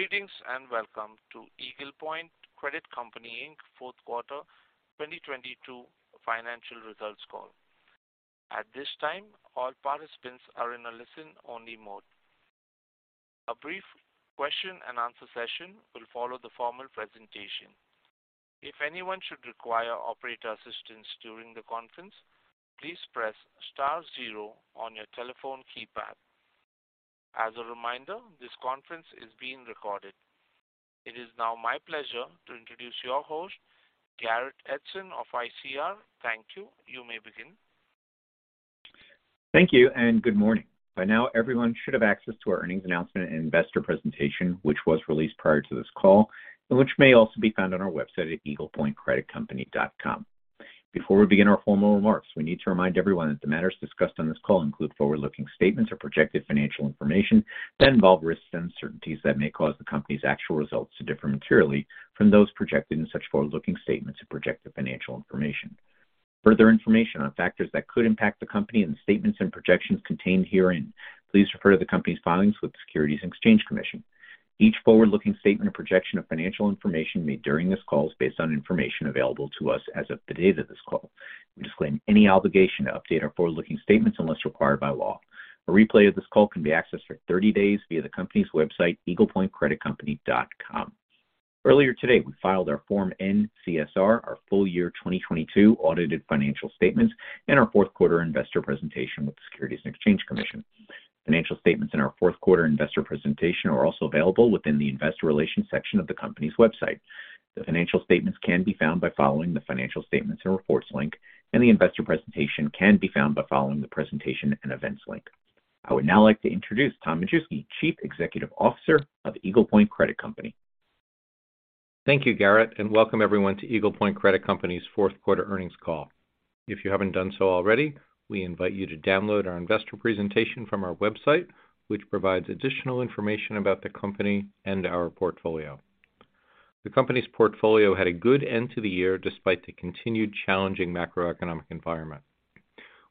Greetings, welcome to Eagle Point Credit Company Inc. fourth quarter 2022 financial results call. At this time, all participants are in a listen-only mode. A brief question and answer session will follow the formal presentation. If anyone should require operator assistance during the conference, please press star zero on your telephone keypad. As a reminder, this conference is being recorded. It is now my pleasure to introduce your host, Garrett Edson of ICR. Thank you. You may begin. Thank you and good morning. By now, everyone should have access to our earnings announcement and investor presentation, which was released prior to this call and which may also be found on our website at eaglepointcreditcompany.com. Before we begin our formal remarks, we need to remind everyone that the matters discussed on this call include forward-looking statements or projected financial information that involve risks and uncertainties that may cause the company's actual results to differ materially from those projected in such forward-looking statements and projected financial information. For further information on factors that could impact the company and the statements and projections contained herein, please refer to the company's filings with the Securities and Exchange Commission. Each forward-looking statement or projection of financial information made during this call is based on information available to us as of the date of this call. We disclaim any obligation to update our forward-looking statements unless required by law. A replay of this call can be accessed for 30 days via the company's website, eaglepointcreditcompany.com. Earlier today, we filed our Form NCSR, our full year 2022 audited financial statements and our fourth quarter investor presentation with the Securities and Exchange Commission. Financial statements in our fourth quarter investor presentation are also available within the investor relations section of the company's website. The financial statements can be found by following the Financial Statements and Reports link, and the investor presentation can be found by following the Presentation and Events link. I would now like to introduce Tom Majewski, Chief Executive Officer of Eagle Point Credit Company. Thank you, Garrett, welcome everyone to Eagle Point Credit Company's fourth quarter earnings call. If you haven't done so already, we invite you to download our investor presentation from our website, which provides additional information about the company and our portfolio. The company's portfolio had a good end to the year despite the continued challenging macroeconomic environment.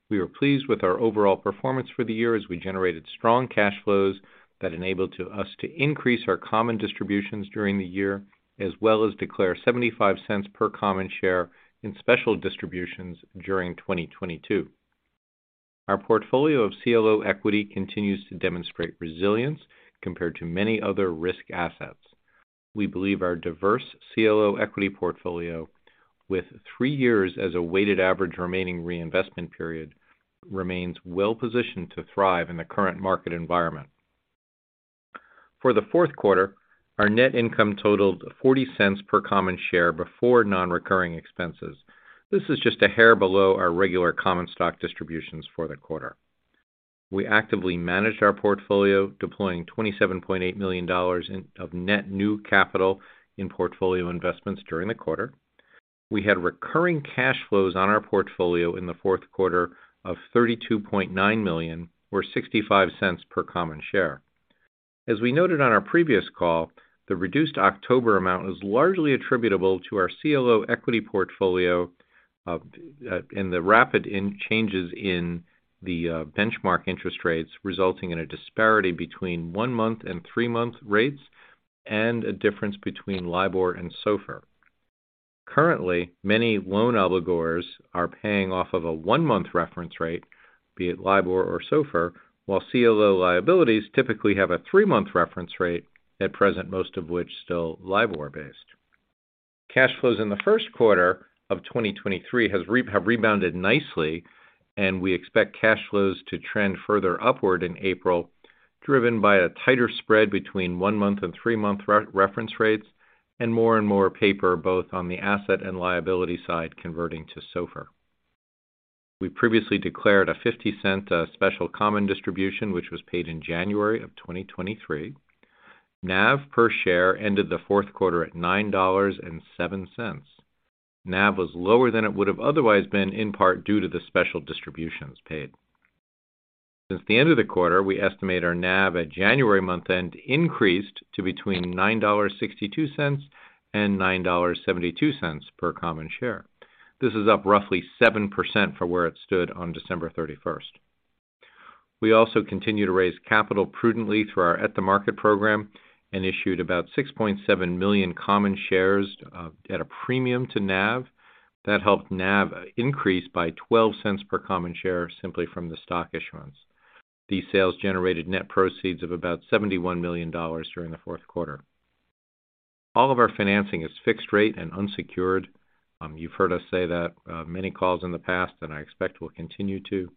We were pleased with our overall performance for the year as we generated strong cash flows that enabled to us to increase our common distributions during the year, as well as declare $0.75 per common share in special distributions during 2022. Our portfolio of CLO equity continues to demonstrate resilience compared to many other risk assets. We believe our diverse CLO equity portfolio with three years as a weighted average remaining reinvestment period remains well-positioned to thrive in the current market environment. For the fourth quarter, our net income totaled $0.40 per common share before non-recurring expenses. This is just a hair below our regular common stock distributions for the quarter. We actively managed our portfolio, deploying $27.8 million of net new capital in portfolio investments during the quarter. We had recurring cash flows on our portfolio in the fourth quarter of $32.9 million or $0.65 per common share. As we noted on our previous call, the reduced October amount was largely attributable to our CLO equity portfolio, in the rapid changes in the benchmark interest rates, resulting in a disparity between one-month and three-month rates and a difference between LIBOR and SOFR. Currently, many loan obligors are paying off of a one-month reference rate, be it LIBOR or SOFR, while CLO liabilities typically have a three-month reference rate, at present most of which still LIBOR-based. Cash flows in the first quarter of 2023 have rebounded nicely, and we expect cash flows to trend further upward in April, driven by a tighter spread between one-month and three-month reference rates and more and more paper both on the asset and liability side converting to SOFR. We previously declared a $0.50 special common distribution, which was paid in January of 2023. NAV per share ended the fourth quarter at $9.07. NAV was lower than it would have otherwise been in part due to the special distributions paid. Since the end of the quarter, we estimate our NAV at January month-end increased to between $9.62 and $9.72 per common share. This is up roughly 7% from where it stood on December 31st. We also continue to raise capital prudently through our at-the-market program and issued about 6.7 million common shares at a premium to NAV. That helped NAV increase by $0.12 per common share simply from the stock issuance. These sales generated net proceeds of about $71 million during the fourth quarter. All of our financing is fixed rate and unsecured. You've heard us say that many calls in the past, and I expect we'll continue to.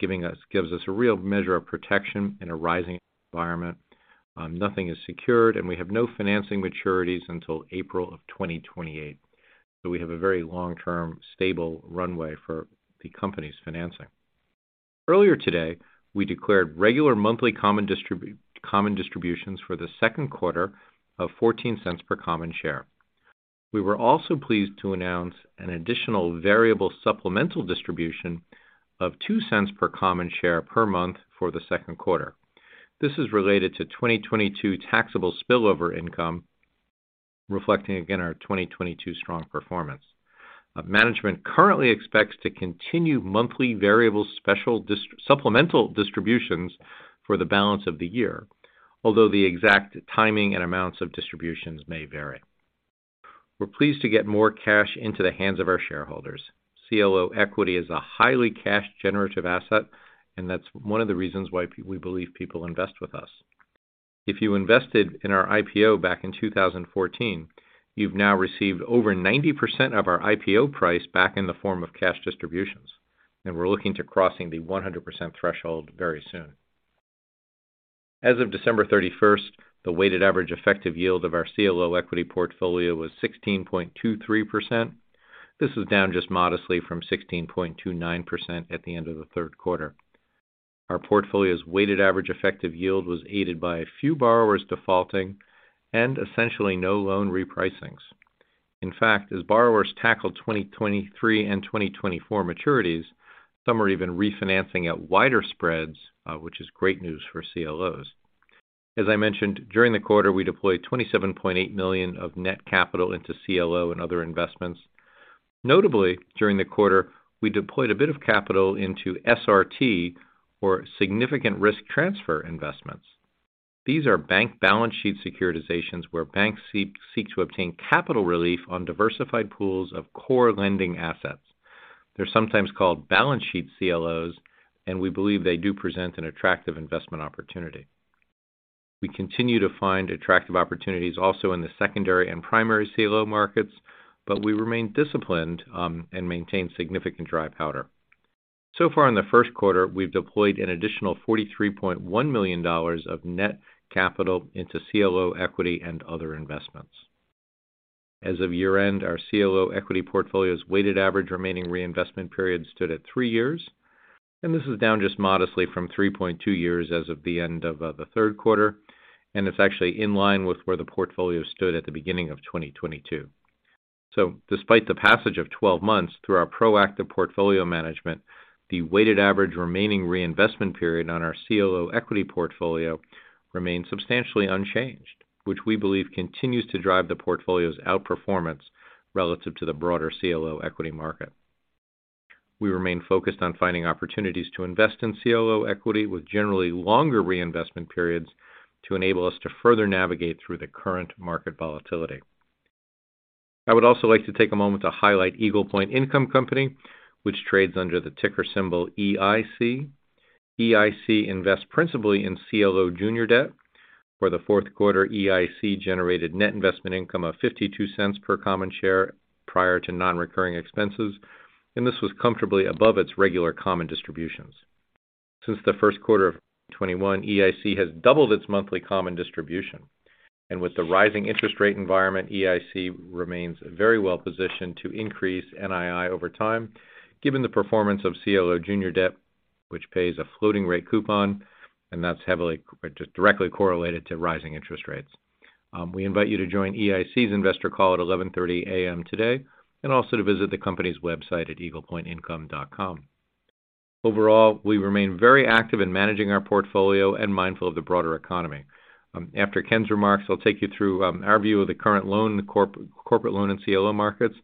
Gives us a real measure of protection in a rising environment. Nothing is secured, and we have no financing maturities until April of 2028. We have a very long-term stable runway for the company's financing. Earlier today, we declared regular monthly common distributions for the second quarter of $0.14 per common share. We were also pleased to announce an additional variable supplemental distribution of $0.02 per common share per month for the second quarter. This is related to 2022 taxable spillover income. Reflecting again our 2022 strong performance. Management currently expects to continue monthly variable special supplemental distributions for the balance of the year. The exact timing and amounts of distributions may vary. We're pleased to get more cash into the hands of our shareholders. CLO equity is a highly cash-generative asset, and that's one of the reasons why we believe people invest with us. If you invested in our IPO back in 2014, you've now received over 90% of our IPO price back in the form of cash distributions, we're looking to crossing the 100% threshold very soon. As of December 31st, the weighted average effective yield of our CLO equity portfolio was 16.23%. This is down just modestly from 16.29% at the end of the third quarter. Our portfolio's weighted average effective yield was aided by a few borrowers defaulting and essentially no loan repricings. In fact, as borrowers tackled 2023 and 2024 maturities, some are even refinancing at wider spreads, which is great news for CLOs. As I mentioned, during the quarter, we deployed $27.8 million of net capital into CLO and other investments. Notably, during the quarter, we deployed a bit of capital into SRT or significant risk transfer investments. These are bank balance sheet securitizations where banks seek to obtain capital relief on diversified pools of core lending assets. They're sometimes called balance sheet CLOs, and we believe they do present an attractive investment opportunity. We continue to find attractive opportunities also in the secondary and primary CLO markets, but we remain disciplined, and maintain significant dry powder. Far in the first quarter, we've deployed an additional $43.1 million of net capital into CLO equity and other investments. As of year-end, our CLO equity portfolio's weighted average remaining reinvestment period stood at three years, this is down just modestly from 3.2 years as of the end of the third quarter, it's actually in line with where the portfolio stood at the beginning of 2022. Despite the passage of 12 months through our proactive portfolio management, the weighted average remaining reinvestment period on our CLO equity portfolio remains substantially unchanged, which we believe continues to drive the portfolio's outperformance relative to the broader CLO equity market. We remain focused on finding opportunities to invest in CLO equity with generally longer reinvestment periods to enable us to further navigate through the current market volatility. I would also like to take a moment to highlight Eagle Point Income Company, which trades under the ticker symbol EIC. EIC invest principally in CLO junior debt. For the fourth quarter, EIC generated net investment income of $0.52 per common share prior to non-recurring expenses. This was comfortably above its regular common distributions. Since the first quarter of 2021, EIC has doubled its monthly common distribution. With the rising interest rate environment, EIC remains very well positioned to increase NII over time, given the performance of CLO junior debt, which pays a floating rate coupon, and that's heavily or just directly correlated to rising interest rates. We invite you to join EIC's investor call at 11:30 A.M. today, and also to visit the company's website at eaglepointincome.com. Overall, we remain very active in managing our portfolio and mindful of the broader economy. After Ken's remarks, I'll take you through, our view of the current loan, corporate loan and CLO markets,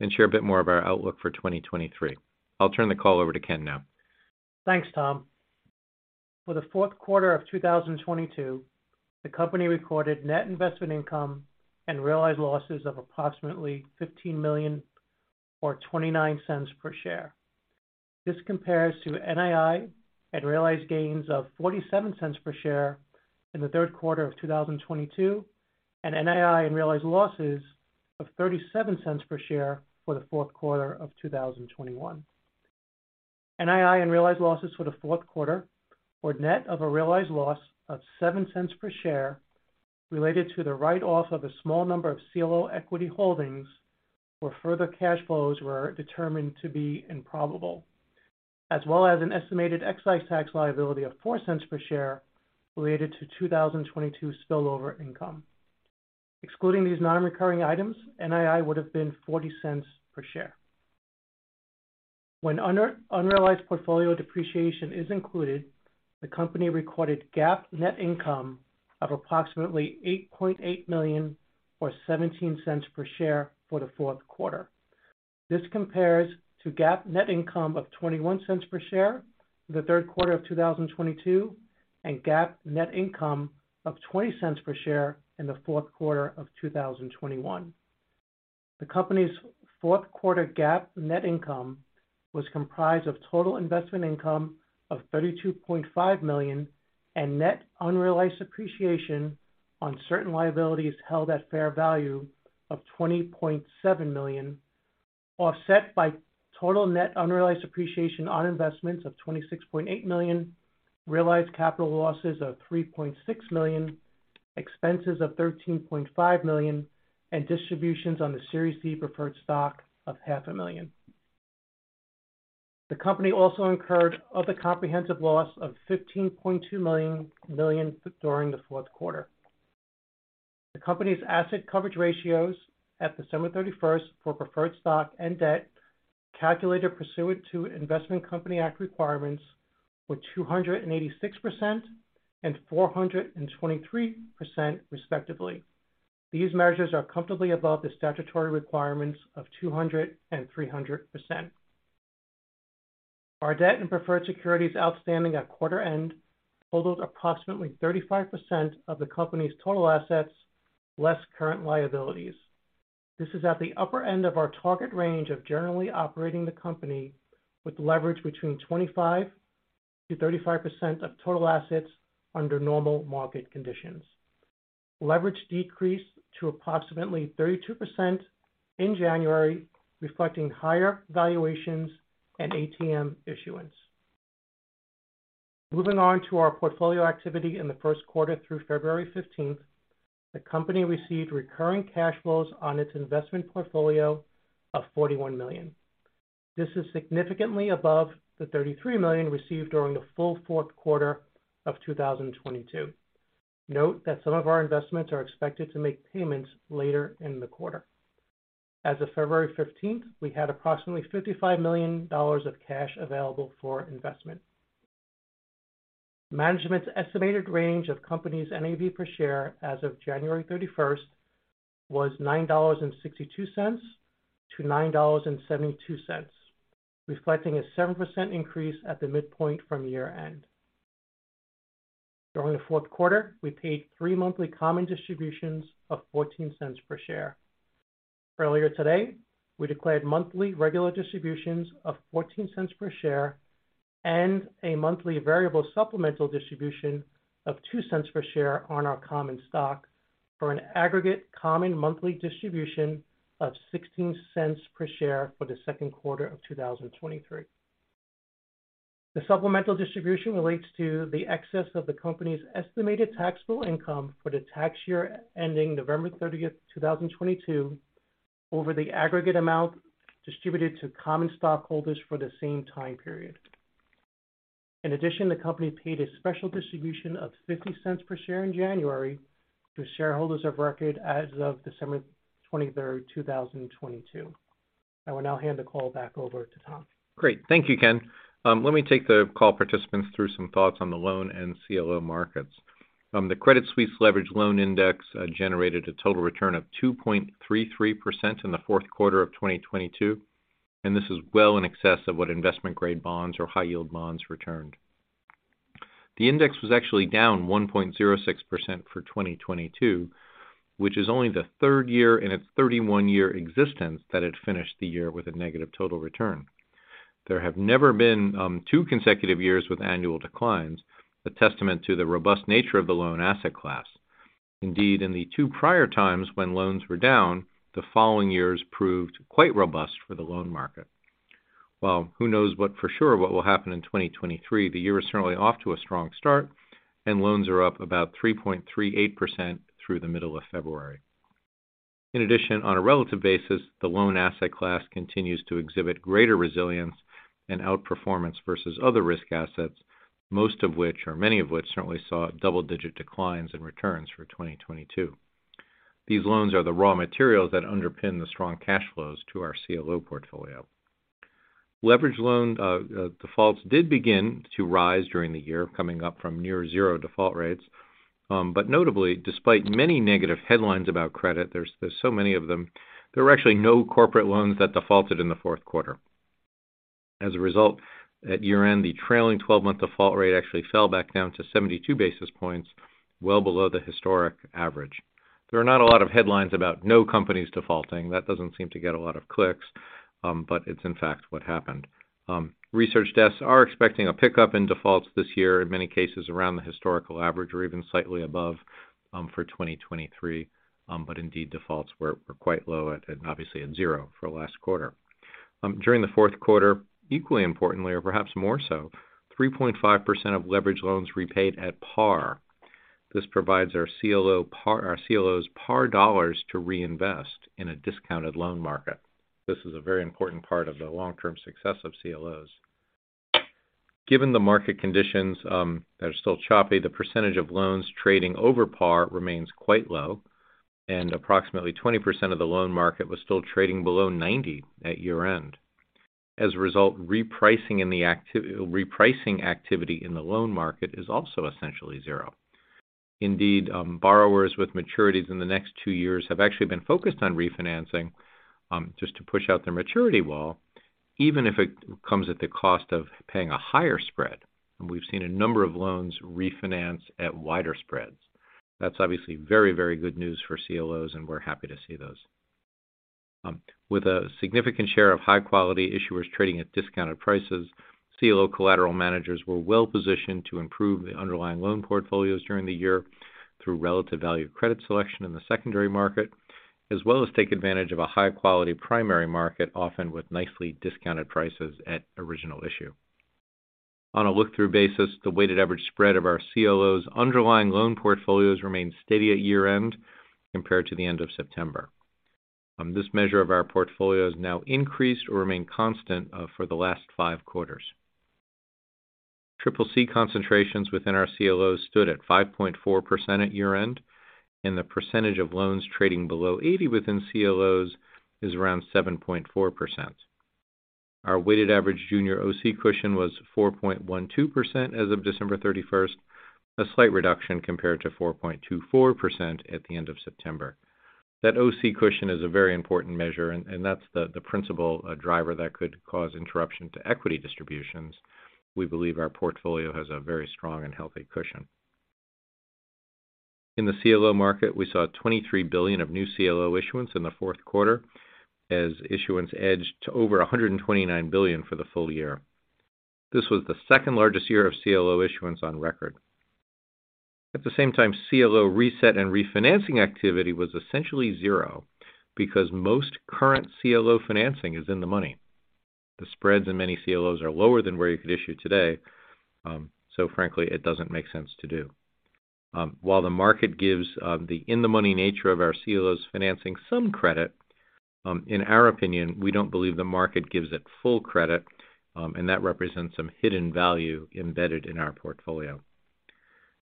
and share a bit more of our outlook for 2023. I'll turn the call over to Ken now. Thanks, Tom. For the fourth quarter of 2022, the company recorded net investment income and realized losses of approximately $15 million or $0.29 per share. This compares to NII at realized gains of $0.47 per share in the third quarter of 2022, and NII and realized losses of $0.37 per share for the fourth quarter of 2021. NII and realized losses for the fourth quarter were net of a realized loss of $0.07 per share related to the write-off of a small number of CLO equity holdings, where further cash flows were determined to be improbable, as well as an estimated excise tax liability of $0.04 per share related to 2022 spillover income. Excluding these non-recurring items, NII would have been $0.40 per share. When unrealized portfolio depreciation is included, the company recorded GAAP net income of approximately $8.8 million or $0.17 per share for the fourth quarter. This compares to GAAP net income of $0.21 per share in the third quarter of 2022, and GAAP net income of $0.20 per share in the fourth quarter of 2021. The company's fourth quarter GAAP net income was comprised of total investment income of $32.5 million and net unrealized appreciation on certain liabilities held at fair value of $20.7 million, offset by total net unrealized appreciation on investments of $26.8 million, realized capital losses of $3.6 million, expenses of $13.5 million, and distributions on the Series D preferred stock of half a million. The company also incurred other comprehensive loss of $15.2 million during the fourth quarter. The company's asset coverage ratios at December 31st for preferred stock and debt Calculated pursuant to Investment Company Act requirements were 286% and 423% respectively. These measures are comfortably above the statutory requirements of 200% and 300%. Our debt and preferred securities outstanding at quarter end totaled approximately 35% of the company's total assets, less current liabilities. This is at the upper end of our target range of generally operating the company with leverage between 25%-35% of total assets under normal market conditions. Leverage decreased to approximately 32% in January, reflecting higher valuations and ATM issuance. Moving on to our portfolio activity in the first quarter. Through February 15th, the company received recurring cash flows on its investment portfolio of $41 million. This is significantly above the $33 million received during the full fourth quarter of 2022. Note that some of our investments are expected to make payments later in the quarter. As of February 15th, we had approximately $55 million of cash available for investment. Management's estimated range of company's NAV per share as of January 31st was $9.62-$9.72, reflecting a 7% increase at the midpoint from year-end. During the fourth quarter, we paid three monthly common distributions of $0.14 per share. Earlier today, we declared monthly regular distributions of $0.14 per share and a monthly variable supplemental distribution of $0.02 per share on our common stock for an aggregate common monthly distribution of $0.16 per share for the second quarter of 2023. The supplemental distribution relates to the excess of the company's estimated taxable income for the tax year ending November 30th, 2022 over the aggregate amount distributed to common stockholders for the same time period. In addition, the company paid a special distribution of $0.50 per share in January to shareholders of record as of December 23rd, 2022. I will now hand the call back over to Tom. Great. Thank you, Ken. Let me take the call participants through some thoughts on the loan and CLO markets. The Credit Suisse Leveraged Loan Index generated a total return of 2.33% in the fourth quarter of 2022, this is well in excess of what investment grade bonds or high yield bonds returned. The index was actually down 1.06% for 2022, which is only the third year in its 31-year existence that it finished the year with a negative total return. There have never been two consecutive years with annual declines, a testament to the robust nature of the loan asset class. Indeed, in the two prior times when loans were down, the following years proved quite robust for the loan market. Who knows what for sure what will happen in 2023, the year is certainly off to a strong start, and loans are up about 3.38% through the middle of February. In addition, on a relative basis, the loan asset class continues to exhibit greater resilience and outperformance versus other risk assets, most of which, or many of which certainly saw double-digit declines in returns for 2022. These loans are the raw materials that underpin the strong cash flows to our CLO portfolio. Leveraged loan defaults did begin to rise during the year, coming up from near zero default rates. Notably, despite many negative headlines about credit, there's so many of them. There were actually no corporate loans that defaulted in the fourth quarter. As a result, at year-end, the trailing twelve-month default rate actually fell back down to 72 basis points, well below the historic average. There are not a lot of headlines about no companies defaulting. That doesn't seem to get a lot of clicks, but it's in fact what happened. Research desks are expecting a pickup in defaults this year in many cases around the historical average or even slightly above, for 2023. Indeed, defaults were quite low at obviously at zero for the last quarter. During the fourth quarter, equally importantly or perhaps more so, 3.5% of leveraged loans repaid at par. This provides our CLOs par dollars to reinvest in a discounted loan market. This is a very important part of the long-term success of CLOs. Given the market conditions, that are still choppy, the percentage of loans trading over par remains quite low, and approximately 20% of the loan market was still trading below 90 at year-end. As a result, repricing activity in the loan market is also essentially zero. Borrowers with maturities in the next two years have actually been focused on refinancing, just to push out their maturity wall, even if it comes at the cost of paying a higher spread. We've seen a number of loans refinance at wider spreads. That's obviously very, very good news for CLOs, and we're happy to see those. With a significant share of high quality issuers trading at discounted prices, CLO collateral managers were well-positioned to improve the underlying loan portfolios during the year through relative value credit selection in the secondary market, as well as take advantage of a high quality primary market, often with nicely discounted prices at original issue. On a look-through basis, the weighted average spread of our CLOs underlying loan portfolios remained steady at year-end compared to the end of September. This measure of our portfolio has now increased or remained constant for the last five quarters. CCC concentrations within our CLOs stood at 5.4% at year-end, and the percentage of loans trading below 80 within CLOs is around 7.4%. Our weighted average junior OC cushion was 4.12% as of December 31st, a slight reduction compared to 4.24% at the end of September. That OC cushion is a very important measure, and that's the principal driver that could cause interruption to equity distributions. We believe our portfolio has a very strong and healthy cushion. In the CLO market, we saw $23 billion of new CLO issuance in the fourth quarter as issuance edged to over $129 billion for the full year. This was the second largest year of CLO issuance on record. At the same time, CLO reset and refinancing activity was essentially zero because most current CLO financing is in the money. The spreads in many CLOs are lower than where you could issue today. Frankly, it doesn't make sense to do. While the market gives the in-the-money nature of our CLOs financing some credit, in our opinion, we don't believe the market gives it full credit, and that represents some hidden value embedded in our portfolio.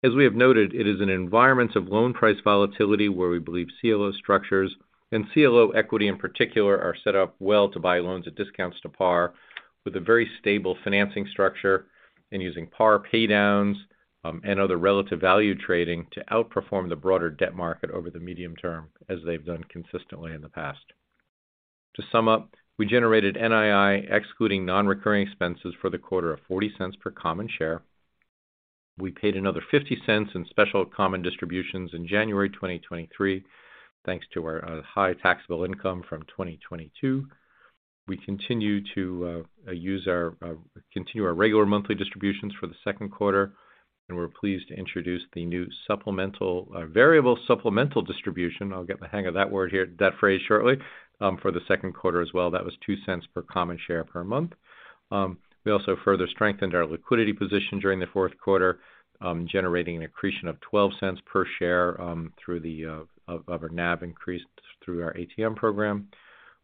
As we have noted, it is an environment of loan price volatility where we believe CLO structures and CLO equity in particular are set up well to buy loans at discounts to par with a very stable financing structure and using par pay downs and other relative value trading to outperform the broader debt market over the medium term, as they've done consistently in the past. To sum up, we generated NII excluding non-recurring expenses for the quarter of $0.40 per common share. We paid another $0.50 in special common distributions in January 2023, thanks to our high taxable income from 2022. We continue our regular monthly distributions for the second quarter, and we're pleased to introduce the new supplemental variable supplemental distribution. I'll get the hang of that word here, that phrase shortly, for the second quarter as well. That was $0.02 per common share per month. We also further strengthened our liquidity position during the fourth quarter, generating an accretion of $0.12 per share, through the of our NAV increase through our ATM program.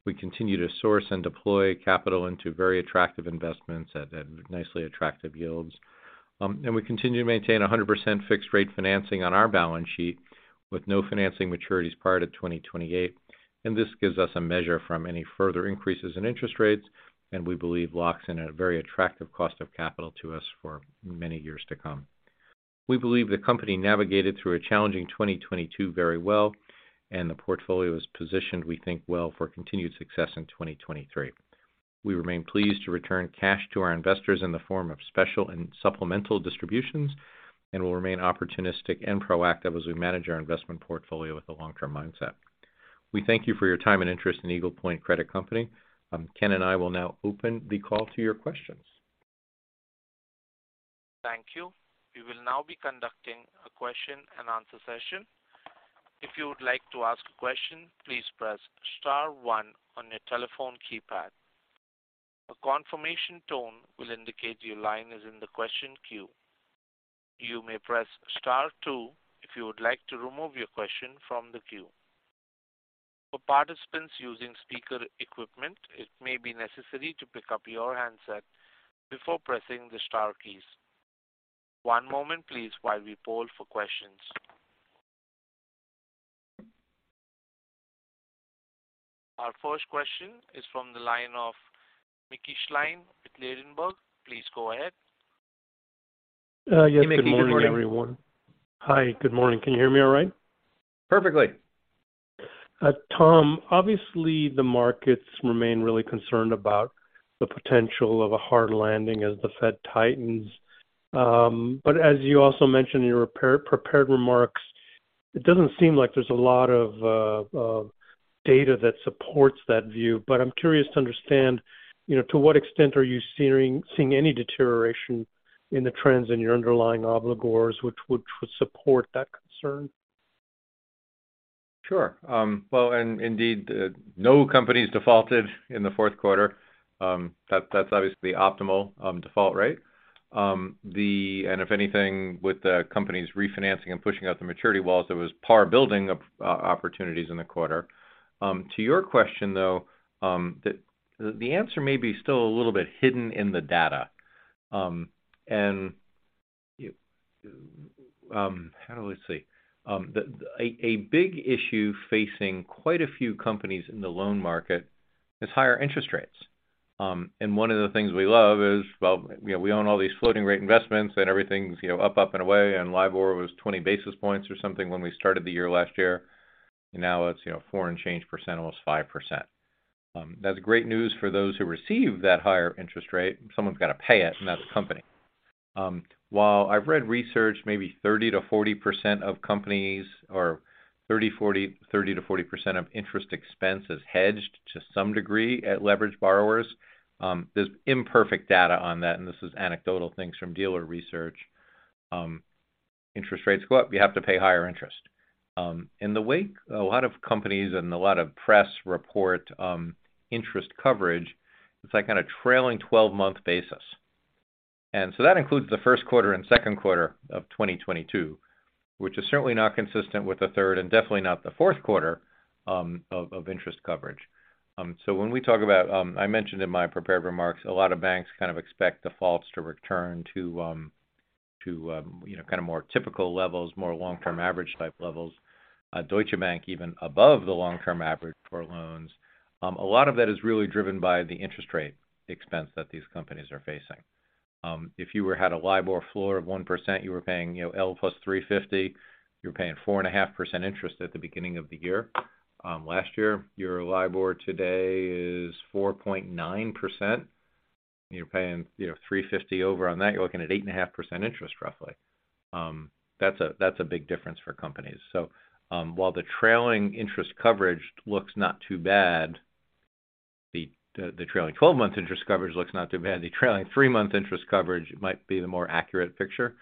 We continue to source and deploy capital into very attractive investments at nicely attractive yields. We continue to maintain 100% fixed rate financing on our balance sheet with no financing maturities prior to 2028. This gives us a measure from any further increases in interest rates, and we believe locks in a very attractive cost of capital to us for many years to come. We believe the company navigated through a challenging 2022 very well and the portfolio is positioned, we think, well for continued success in 2023. We remain pleased to return cash to our investors in the form of special and supplemental distributions and will remain opportunistic and proactive as we manage our investment portfolio with a long-term mindset. We thank you for your time and interest in Eagle Point Credit Company. Ken and I will now open the call to your questions. Thank you. We will now be conducting a question and answer session. If you would like to ask a question, please press Star one on your telephone keypad. A confirmation tone will indicate your line is in the question queue. You may press Star two if you would like to remove your question from the queue. For participants using speaker equipment, it may be necessary to pick up your handset before pressing the star keys.one moment, please, while we poll for questions. Our first question is from the line of Mickey Schleien with Ladenburg. Please go ahead. yes. Good morning, everyone. Hey, Mickey. How are you? Hi. Good morning. Can you hear me all right? Perfectly. Tom, obviously the markets remain really concerned about the potential of a hard landing as the Fed tightens. as you also mentioned in your prepared remarks, it doesn't seem like there's a lot of data that supports that view. I'm curious to understand, you know, to what extent are you seeing any deterioration in the trends in your underlying obligors which would support that concern? Sure. Well, indeed, no companies defaulted in the fourth quarter. That's obviously optimal default rate. If anything, with the companies refinancing and pushing out the maturity walls, there was par building of opportunities in the quarter. To your question though, the answer may be still a little bit hidden in the data. How do I say? A big issue facing quite a few companies in the loan market is higher interest rates. One of the things we love is, well, you know, we own all these floating rate investments, and everything's, you know, up and away. LIBOR was 20 basis points or something when we started the year last year. Now it's, you know, four and change percent, almost 5%. That's great news for those who receive that higher interest rate. Someone's got to pay it, and that's the company. While I've read research, maybe 30%-40% of companies or 30%-40% of interest expense is hedged to some degree at leverage borrowers. There's imperfect data on that, and this is anecdotal things from dealer research. Interest rates go up, you have to pay higher interest. In the wake, a lot of companies and a lot of press report, interest coverage, it's like kind of trailing 12-month basis. That includes the first quarter and second quarter of 2022. Which is certainly not consistent with the third and definitely not the fourth quarter of interest coverage. When we talk about, I mentioned in my prepared remarks, a lot of banks kind of expect defaults to return to, you know, kind of more typical levels, more long-term average type levels. Deutsche Bank even above the long-term average for loans. A lot of that is really driven by the interest rate expense that these companies are facing. If you had a LIBOR floor of 1%, you were paying, you know, L plus 350, you're paying 4.5% interest at the beginning of the year. Last year, your LIBOR today is 4.9%. You're paying, you know, 350 over on that, you're looking at 8.5% interest roughly. That's a big difference for companies. While the trailing interest coverage looks not too bad, the trailing 12-month interest coverage looks not too bad. The trailing three-month interest coverage might be the more accurate picture.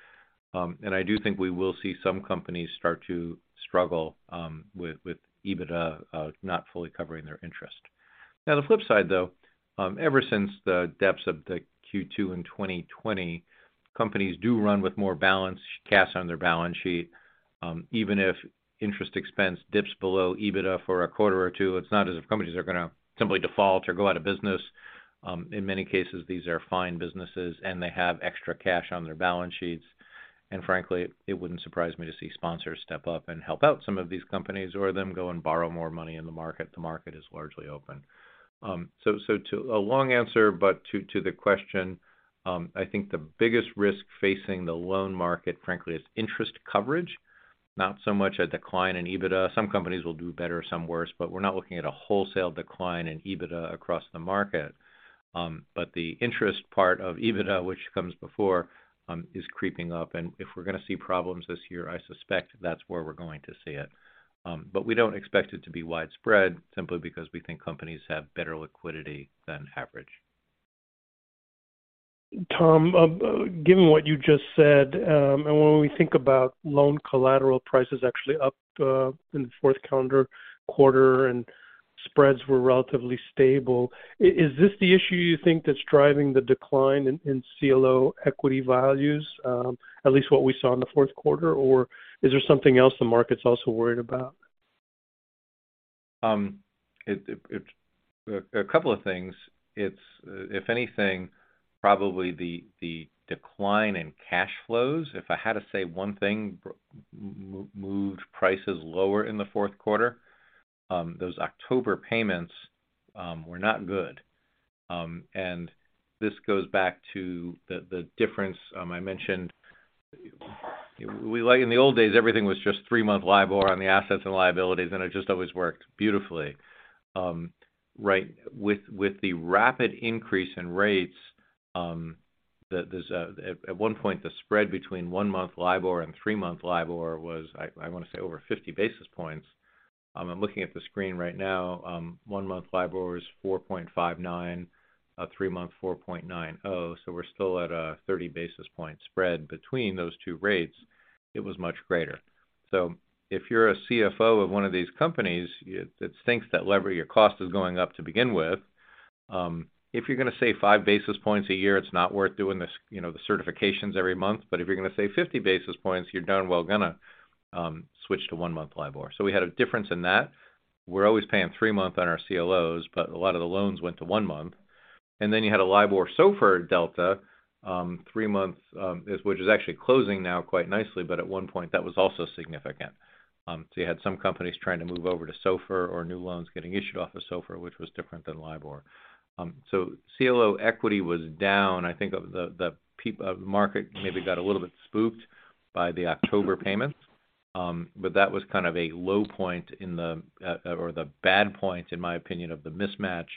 I do think we will see some companies start to struggle with EBITDA not fully covering their interest. The flip side, though, ever since the depths of the Q2 in 2020, companies do run with more cash on their balance sheet. Even if interest expense dips below EBITDA for a quarter or two, it's not as if companies are gonna simply default or go out of business. In many cases, these are fine businesses, they have extra cash on their balance sheets. Frankly, it wouldn't surprise me to see sponsors step up and help out some of these companies or them go and borrow more money in the market. The market is largely open. To a long answer to the question, I think the biggest risk facing the loan market, frankly, is interest coverage, not so much a decline in EBITDA. Some companies will do better, some worse, but we're not looking at a wholesale decline in EBITDA across the market. The interest part of EBITDA, which comes before, is creeping up. If we're gonna see problems this year, I suspect that's where we're going to see it. We don't expect it to be widespread simply because we think companies have better liquidity than average. Tom, given what you just said, and when we think about loan collateral prices actually up in the fourth calendar quarter and spreads were relatively stable, is this the issue you think that's driving the decline in CLO equity values, at least what we saw in the fourth quarter? Is there something else the market's also worried about? A couple of things. It's if anything, probably the decline in cash flows. If I had to say one thing moved prices lower in the fourth quarter, those October payments were not good. This goes back to the difference I mentioned. Like in the old days, everything was just three-month LIBOR on the assets and liabilities, and it just always worked beautifully. Right. With the rapid increase in rates, there's at one point, the spread between one-month LIBOR and three-month LIBOR was, I wanna say over 50 basis points. I'm looking at the screen right now. One-month LIBOR is 4.59, three-month, 4.90, so we're still at a 30 basis point spread between those two rates. It was much greater. If you're a CFO of one of these companies it thinks that your cost is going up to begin with, if you're gonna save five basis points a year, it's not worth doing this, you know, the certifications every month. If you're gonna save 50 basis points, you're darn well gonna switch to one-month LIBOR. We had a difference in that. We're always paying three-month on our CLOs, but a lot of the loans went to one-month. You had a LIBOR SOFR delta, three months, which is actually closing now quite nicely, but at one point, that was also significant. You had some companies trying to move over to SOFR or new loans getting issued off of SOFR, which was different than LIBOR. CLO equity was down. I think of the market maybe got a little bit spooked by the October payments, but that was kind of a low point in the, or the bad point, in my opinion, of the mismatch,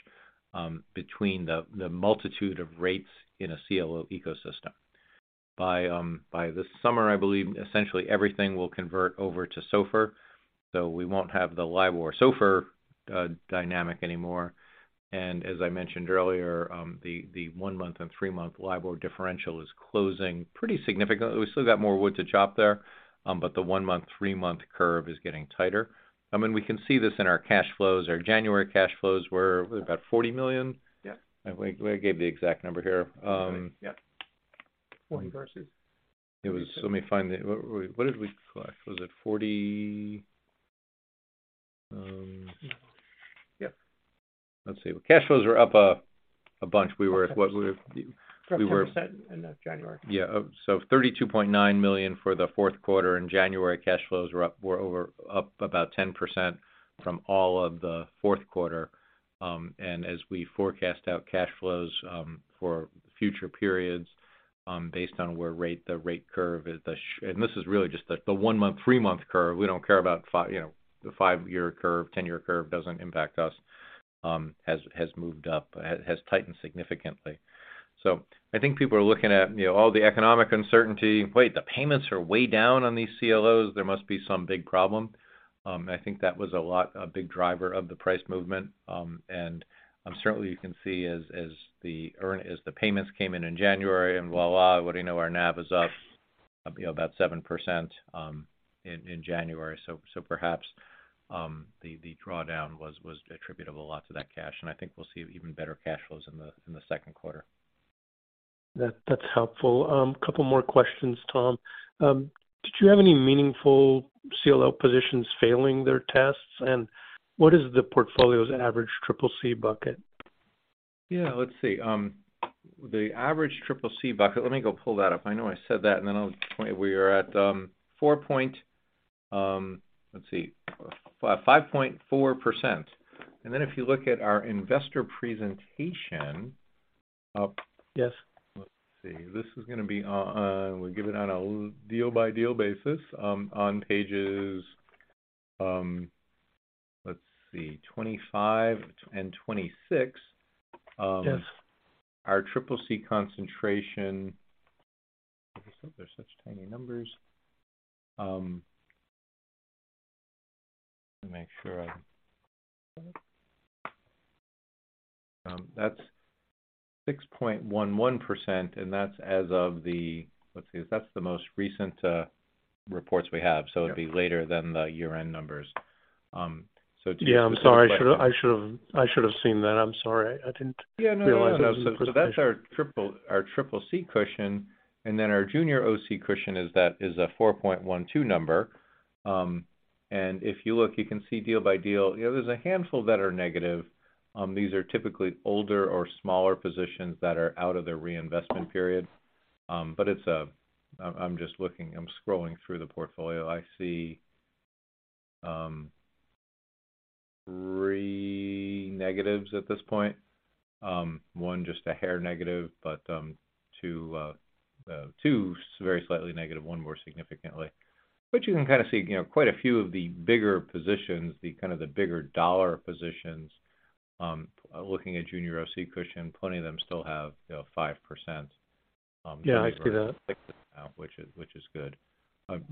between the multitude of rates in a CLO ecosystem. By this summer, I believe essentially everything will convert over to SOFR. We won't have the LIBOR SOFR dynamic anymore. As I mentioned earlier, the one-month and three-month LIBOR differential is closing pretty significantly. We've still got more wood to chop there, the one-month, three-month curve is getting tighter. I mean, we can see this in our cash flows. Our January cash flows were about $40 million. Yeah. I gave the exact number here. Yeah. 40 versus- It was let me find the What did we collect? Was it $40? Yeah. Let's see. Cash flows are up a bunch. We were at what? Up 10% in January. $32.9 million for the fourth quarter in January. Cash flows were over, up about 10% from all of the fourth quarter. As we forecast out cash flows for future periods, based on where rate, the rate curve is, this is really just the one-month, three-month curve. We don't care about you know, the five-year curve, ten-year curve doesn't impact us, has moved up, has tightened significantly. I think people are looking at, you know, all the economic uncertainty. Wait, the payments are way down on these CLOs. There must be some big problem. I think that was a big driver of the price movement. Certainly you can see as the payments came in in January and voilà, what do you know, our NAV is up, you know, about 7% in January. Perhaps the drawdown was attributable a lot to that cash. I think we'll see even better cash flows in the second quarter. That's helpful. Couple more questions, Tom. Did you have any meaningful CLO positions failing their tests? What is the portfolio's average CCC bucket? Yeah, let's see. The average CCC bucket, let me go pull that up. I know I said that, and then I'll tell you we are at 5.4%. If you look at our investor presentation. Yes. Let's see. This is gonna be on, we give it on a deal by deal basis, on pages, let's see, 25 and 26. Yes. Our CCC concentration. They're such tiny numbers. Let me make sure I. That's 6.11%. That's as of the. Let's see, that's the most recent reports we have, so it'd be later than the year-end numbers. Yeah, I'm sorry. I should've seen that. I'm sorry. Yeah, no. That's our triple, our CCC cushion. Then our junior OC cushion is a 4.12 number. If you look, you can see deal by deal. You know, there's a handful that are negative. These are typically older or smaller positions that are out of their reinvestment period. But I'm just looking. I'm scrolling through the portfolio. I see three negatives at this point. one just a hair negative, but two very slightly negative, one more significantly. You can kind of see, you know, quite a few of the bigger positions, the kind of the bigger dollar positions, looking at junior OC cushion, plenty of them still have, you know, 5%- Yeah, I see that. which is good.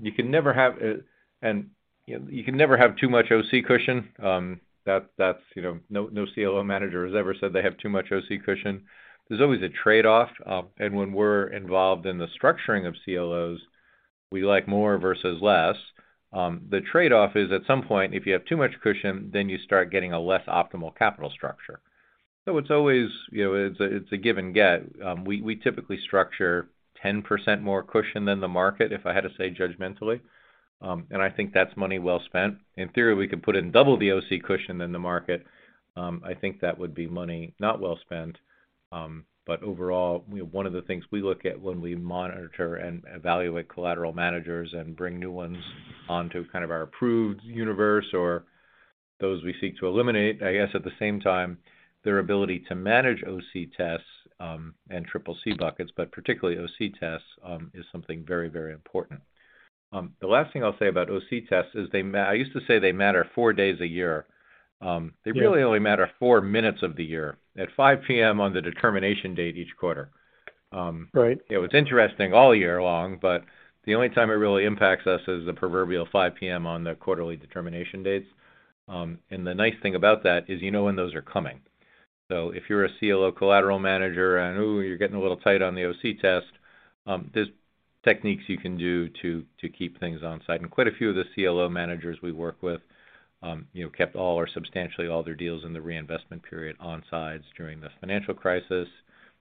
You can never have a... and you can never have too much OC cushion. That's, you know, no CLO manager has ever said they have too much OC cushion. There's always a trade-off. When we're involved in the structuring of CLOs, we like more versus less. The trade-off is, at some point, if you have too much cushion, then you start getting a less optimal capital structure. It's always, you know, it's a give and get. We typically structure 10% more cushion than the market, if I had to say judgmentally. And I think that's money well spent. In theory, we could put in double the OC cushion in the market. I think that would be money not well spent. Overall, you know, one of the things we look at when we monitor and evaluate collateral managers and bring new ones onto kind of our approved universe or those we seek to eliminate, I guess at the same time, their ability to manage OC tests and CCC buckets, but particularly OC tests, is something very, very important. The last thing I'll say about OC tests is I used to say they matter four days a year. Yeah. They really only matter four minutes of the year, at 5:00 P.M. on the determination date each quarter. Right. It's interesting all year long, but the only time it really impacts us is the proverbial 5:00 P.M. on the quarterly determination dates. The nice thing about that is you know when those are coming. If you're a CLO collateral manager and, ooh, you're getting a little tight on the OC test, there's techniques you can do to keep things on-site. Quite a few of the CLO managers we work with, you know, kept all or substantially all their deals in the reinvestment period on-site during the financial crisis,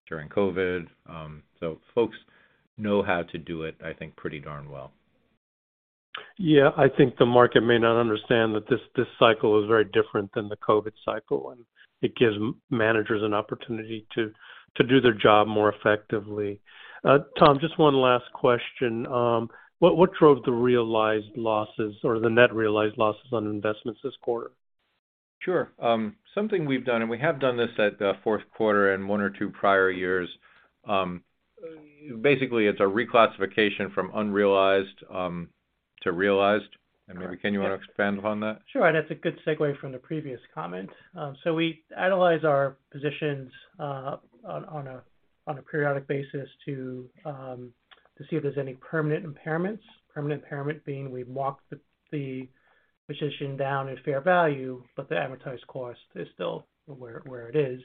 during COVID. Folks know how to do it, I think, pretty darn well. Yeah. I think the market may not understand that this cycle is very different than the COVID cycle, it gives managers an opportunity to do their job more effectively. Tom, just one last question. What drove the realized losses or the net realized losses on investments this quarter? Sure. Something we've done, and we have done this at the fourth quarter and one or two prior years, basically it's a reclassification from unrealized, to realized. Maybe, Ken, you wanna expand upon that? Sure. It's a good segue from the previous comment. We analyze our positions on a periodic basis to see if there's any permanent impairments. Permanent impairment being we've marked the position down at fair value, but the advertised cost is still where it is.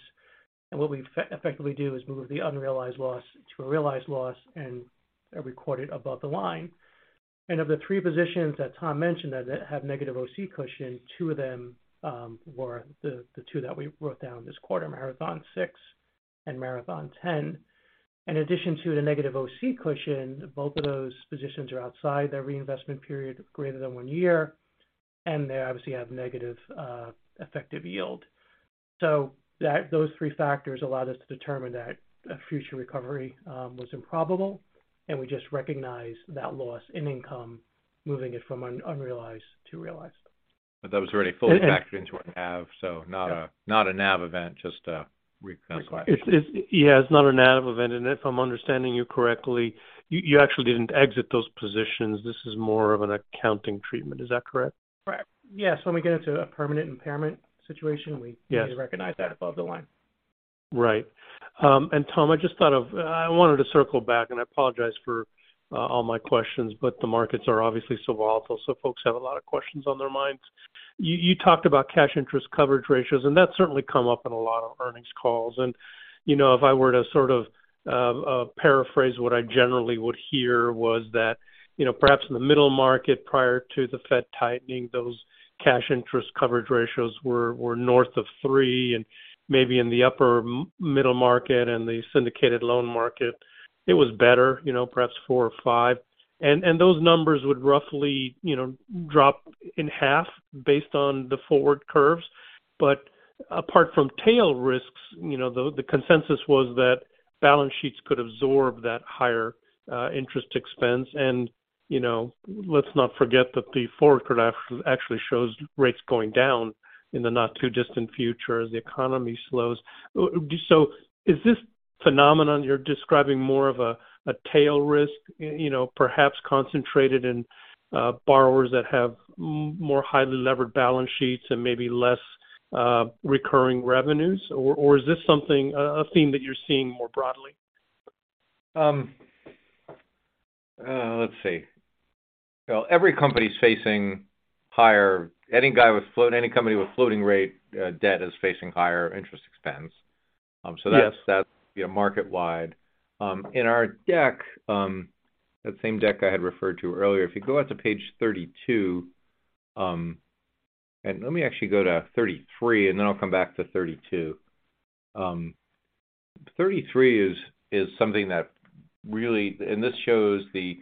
What we effectively do is move the unrealized loss to a realized loss and record it above the line. Of the three positions that Tom mentioned that have negative OC cushion, two of them were the two that we wrote down this quarter, Marathon six and Marathon ten. In addition to the negative OC cushion, both of those positions are outside their reinvestment period, greater than one year, and they obviously have negative effective yield. That, those three factors allowed us to determine that a future recovery was improbable, and we just recognized that loss in income, moving it from unrealized to realized. That was already fully factored into our NAV. Not a NAV event, just a reclassification. It's, yeah, it's not a NAV event. If I'm understanding you correctly, you actually didn't exit those positions. This is more of an accounting treatment. Is that correct? Right. Yeah. When we get into a permanent impairment situation, Yes. We recognize that above the line. Right. Tom, I just thought of, I wanted to circle back, and I apologize for all my questions, but the markets are obviously still volatile, so folks have a lot of questions on their minds. You talked about cash interest coverage ratios, and that's certainly come up in a lot of earnings calls. You know, if I were to sort of paraphrase what I generally would hear was that, you know, perhaps in the middle market, prior to the Fed tightening, those cash interest coverage ratios were north of three, and maybe in the upper middle market and the syndicated loan market, it was better, you know, perhaps four or five. Those numbers would roughly, you know, drop in half based on the forward curves. Apart from tail risks, you know, the consensus was that balance sheets could absorb that higher interest expense. You know, let's not forget that the forward curve actually shows rates going down in the not-too-distant future as the economy slows. Is this phenomenon you're describing more of a tail risk, you know, perhaps concentrated in borrowers that have more highly levered balance sheets and maybe less recurring revenues? Or is this something, a theme that you're seeing more broadly? Let's see. Every company's facing higher Any company with floating rate debt is facing higher interest expense. Yes. that, you know, market wide. In our deck, that same deck I had referred to earlier, if you go out to page 32. Let me actually go to 33, and then I'll come back to 32. 33 is. This shows the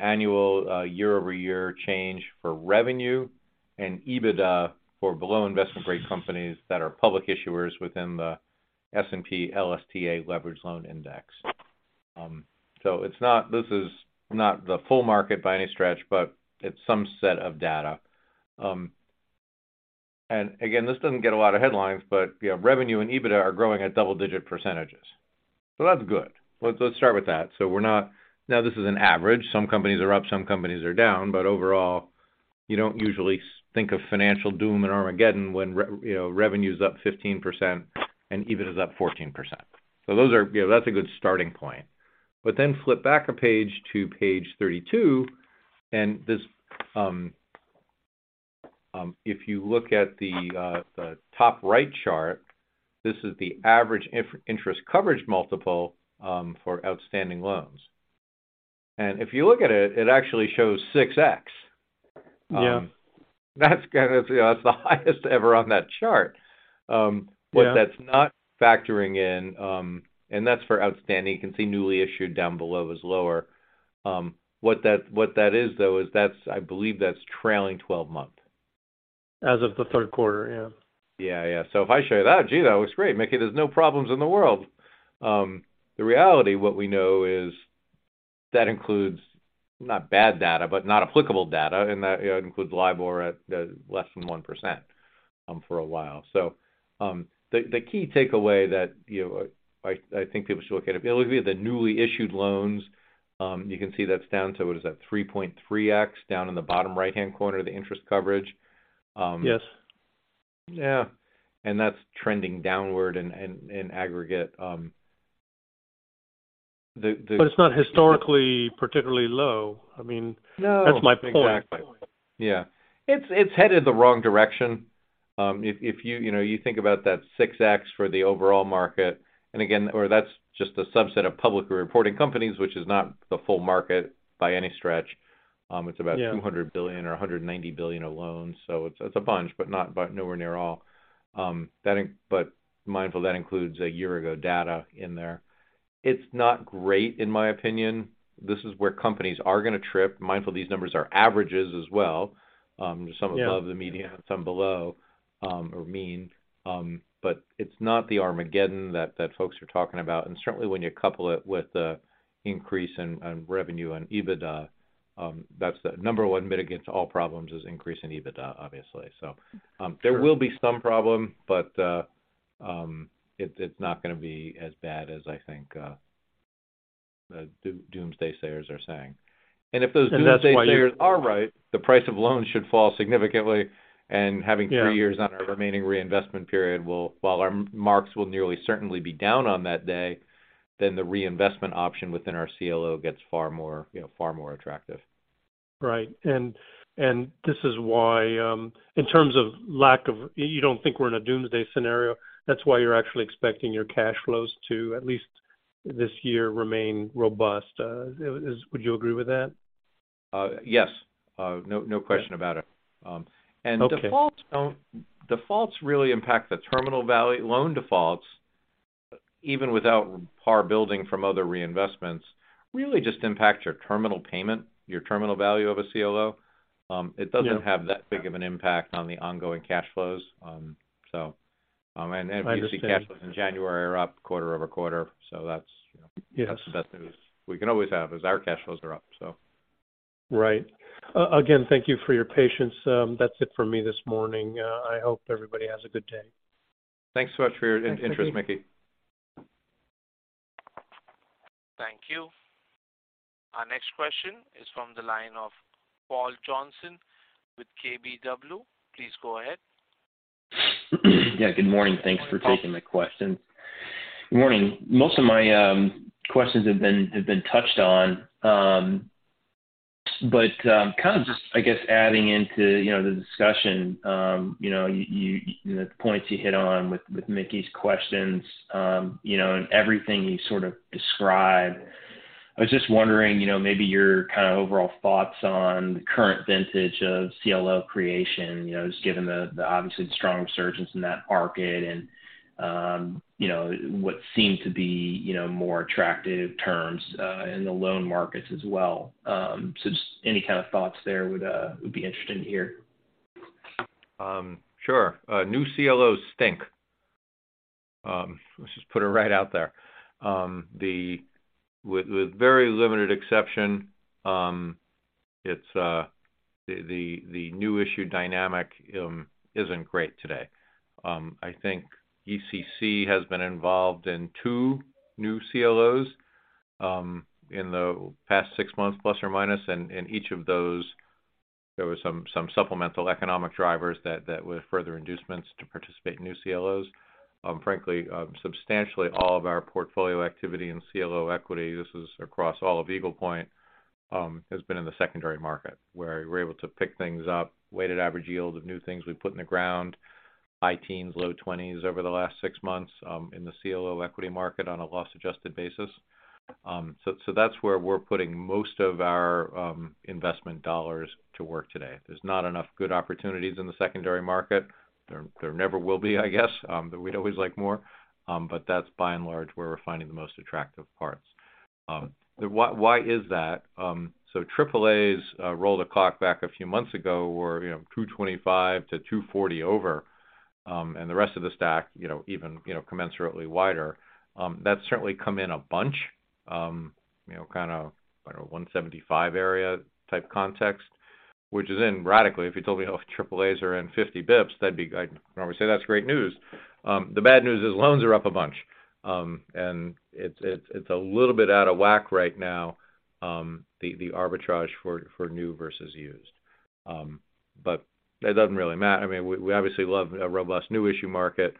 annual year-over-year change for revenue and EBITDA for below-investment grade companies that are public issuers within the S&P LSTA Leveraged Loan Index. This is not the full market by any stretch, but it's some set of data. Again, this doesn't get a lot of headlines, but, you know, revenue and EBITDA are growing at double-digit %. That's good. Let's start with that. Now, this is an average. Some companies are up, some companies are down. Overall, you don't usually think of financial doom and Armageddon when you know, revenue is up 15% and EBITDA is up 14%. You know, that's a good starting point. Then flip back a page to page 32. This, if you look at the top right chart, this is the average interest coverage multiple for outstanding loans. If you look at it actually shows 6x. Yeah. That's kinda, you know, that's the highest ever on that chart. Yeah. That's not factoring in. That's for outstanding. You can see newly issued down below is lower. What that is though is I believe that's trailing 12 month. As of the third quarter, yeah. Yeah, yeah. If I show you that, gee, that looks great. Mickey Schleien, there's no problems in the world. The reality, what we know is that includes not bad data, but not applicable data, and that, you know, includes LIBOR at less than 1%, for a while. The key takeaway that, you know, I think people should look at, if you look at the newly issued loans, you can see that's down to, what is that, 3.3x down in the bottom right-hand corner, the interest coverage. Yes. Yeah. That's trending downward in, in aggregate. It's not historically particularly low. I mean. No. That's my point. Exactly. Yeah. It's headed the wrong direction. If you know, you think about that 6x for the overall market. That's just a subset of publicly reporting companies, which is not the full market by any stretch. Yeah. $200 bilon or $190 billion of loans. It's a bunch, but nowhere near all. Mindful that includes a year ago data in there. It's not great in my opinion. This is where companies are gonna trip. Mindful these numbers are averages as well. Yeah. Some above the median, some below, or mean. It's not the Armageddon that folks are talking about. Certainly when you couple it with the increase in revenue and EBITDA, that's the number one mitigant to all problems is increase in EBITDA, obviously. Sure. There will be some problem, but it's not gonna be as bad as I think the doomsday sayers are saying. If those doomsday sayers are right... That's why. The price of loans should fall significantly. Yeah three years on our remaining reinvestment period while our marks will nearly certainly be down on that day, then the reinvestment option within our CLO gets far more, you know, far more attractive. Right. This is why, in terms of lack of You don't think we're in a doomsday scenario. That's why you're actually expecting your cash flows to, at least this year, remain robust. Would you agree with that? Yes. No question about it. Okay. Defaults really impact the terminal value. Loan defaults, even without par building from other reinvestments, really just impact your terminal payment, your terminal value of a CLO. Yeah. It doesn't have that big of an impact on the ongoing cash flows. I understand. If you see cash flows in January are up quarter-over-quarter. That's, you know. Yes. That's the best news we can always have is our cash flows are up, so. Right. Again, thank you for your patience. That's it for me this morning. I hope everybody has a good day. Thanks so much for your interest, Mickey. Thank you. Thank you. Our next question is from the line of Paul Johnson with KBW. Please go ahead. Yeah, good morning. Good morning, Paul. Thanks for taking my questions. Good morning. Most of my questions have been touched on. Kind of just, I guess, adding into, you know, the discussion, you know, the points you hit on with Mickey Schleien's questions, you know, and everything you sort of described. I was just wondering, you know, maybe your kind of overall thoughts on the current vintage of CLO creation. You know, just given the obviously the strong resurgence in that market and, you know, what seem to be, you know, more attractive terms in the loan markets as well. Just any kind of thoughts there would be interesting to hear. Sure. New CLOs stink. Let's just put it right out there. With very limited exception, it's the new issue dynamic isn't great today. I think ECC has been involved in two new CLOs in the past six months, plus or minus. In each of those, there were some supplemental economic drivers that were further inducements to participate in new CLOs. Frankly, substantially all of our portfolio activity in CLO equity, this is across all of Eagle Point, has been in the secondary market where we're able to pick things up, weighted average yield of new things we've put in the ground, high teens, low 20s over the last six months, in the CLO equity market on a loss-adjusted basis. That's where we're putting most of our investment dollars to work today. There's not enough good opportunities in the secondary market. There never will be, I guess, but we'd always like more. That's by and large where we're finding the most attractive parts. Why is that? AAAs, roll the clock back a few months ago, were, you know, 225-240 over, and the rest of the stack, you know, even, you know, commensurately wider. That's certainly come in a bunch, you know, kinda, I don't know, 175 area type context, which is in radically if you told me, oh, AAAs are in 50 basis points, I'd normally say that's great news. The bad news is loans are up a bunch. It's a little bit out of whack right now, the arbitrage for new versus used. It doesn't really matter. I mean, we obviously love a robust new issue market.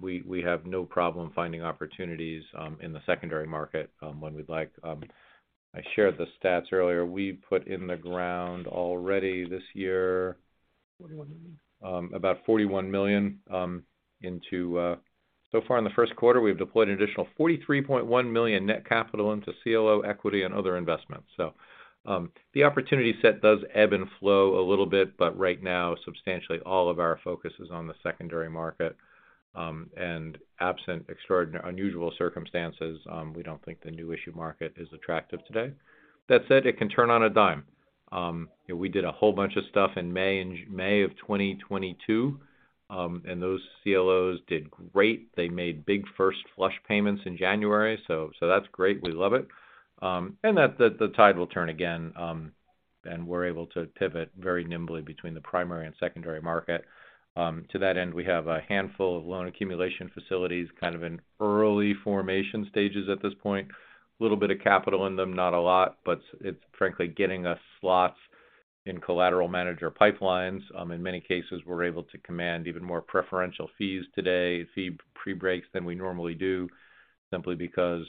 We have no problem finding opportunities, in the secondary market, when we'd like. I shared the stats earlier. We put in the ground already this year- $41 million about $41 million into. Far in the first quarter, we've deployed an additional $43.1 million net capital into CLO equity and other investments. The opportunity set does ebb and flow a little bit, but right now, substantially all of our focus is on the secondary market. Absent unusual circumstances, we don't think the new issue market is attractive today. That said, it can turn on a dime. You know, we did a whole bunch of stuff in May, in May of 2022, those CLOs did great. They made big first flush payments in January, so that's great. We love it. That the tide will turn again, we're able to pivot very nimbly between the primary and secondary market. To that end, we have a handful of loan accumulation facilities, kind of in early formation stages at this point. Little bit of capital in them, not a lot, but it's frankly getting us slots in collateral manager pipelines. In many cases, we're able to command even more preferential fees today, fee pre-breaks than we normally do, simply because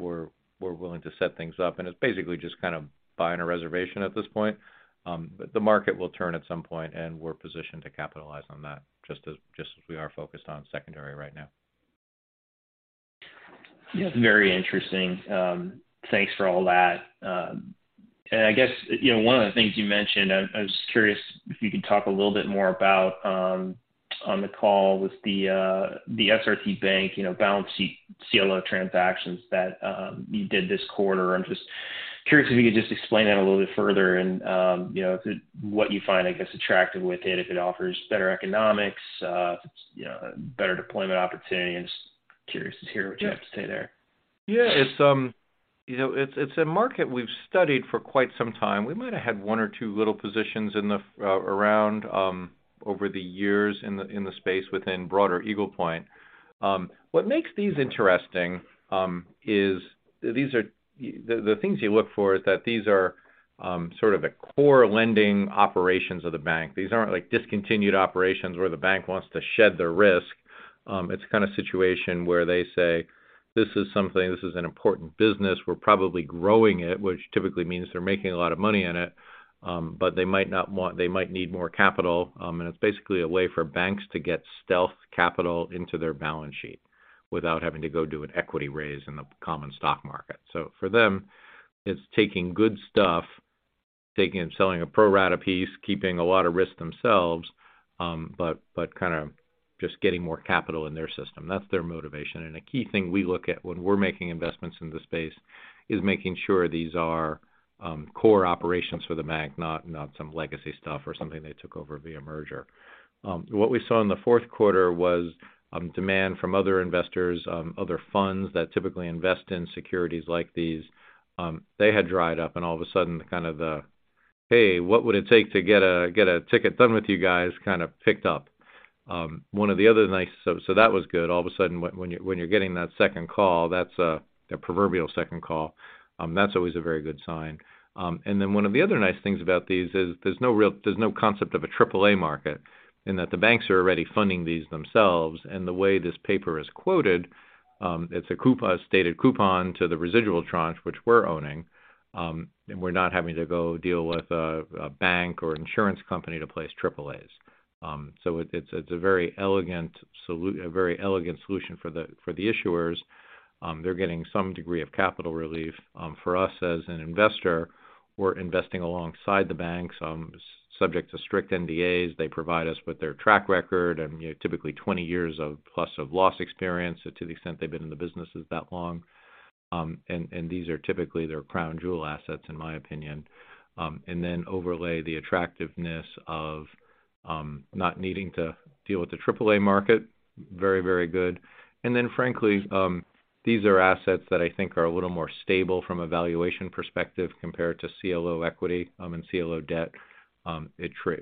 we're willing to set things up. It's basically just kind of buying a reservation at this point. The market will turn at some point, and we're positioned to capitalize on that just as we are focused on secondary right now. Yeah. Very interesting. Thanks for all that. I guess, you know, one of the things you mentioned, I was curious if you could talk a little bit more about, on the call with the SRT Bank, you know, balance sheet CLO transactions that you did this quarter. I'm just curious if you could just explain that a little bit further and, you know, what you find, I guess, attractive with it, if it offers better economics, if it's, you know, better deployment opportunity. I'm just curious to hear what you have to say there. Yeah. It's, you know, it's a market we've studied for quite some time. We might have had one or two little positions around, over the years in the space within broader Eagle Point. What makes these interesting is the things you look for is that these are sort of the core lending operations of the bank. These aren't like discontinued operations where the bank wants to shed their risk. It's the kind of situation where they say, "This is something, this is an important business. We're probably growing it," which typically means they're making a lot of money in it, but they might need more capital. It's basically a way for banks to get stealth capital into their balance sheet without having to go do an equity raise in the common stock market. For them, it's taking good stuff, taking and selling a pro rata piece, keeping a lot of risk themselves, but kind of just getting more capital in their system. That's their motivation. A key thing we look at when we're making investments in the space is making sure these are core operations for the bank, not some legacy stuff or something they took over via merger. What we saw in the fourth quarter was demand from other investors, other funds that typically invest in securities like these. They had dried up, all of a sudden kind of the, "Hey, what would it take to get a, get a ticket done with you guys?" kind of picked up. One of the other nice... That was good. All of a sudden, when you're getting that second call, that's their proverbial second call, that's always a very good sign. Then one of the other nice things about these is there's no concept of AAA market in that the banks are already funding these themselves. The way this paper is quoted, it's a stated coupon to the residual tranche, which we're owning. We're not having to go deal with a bank or insurance company to place AAAs. It's a very elegant solution for the issuers. They're getting some degree of capital relief. For us as an investor, we're investing alongside the banks, subject to strict NDAs. They provide us with their track record and, you know, typically 20 years of plus of loss experience to the extent they've been in the businesses that long. These are typically their crown jewel assets, in my opinion. Overlay the attractiveness of not needing to deal with the AAA market. Frankly, these are assets that I think are a little more stable from a valuation perspective compared to CLO equity and CLO debt,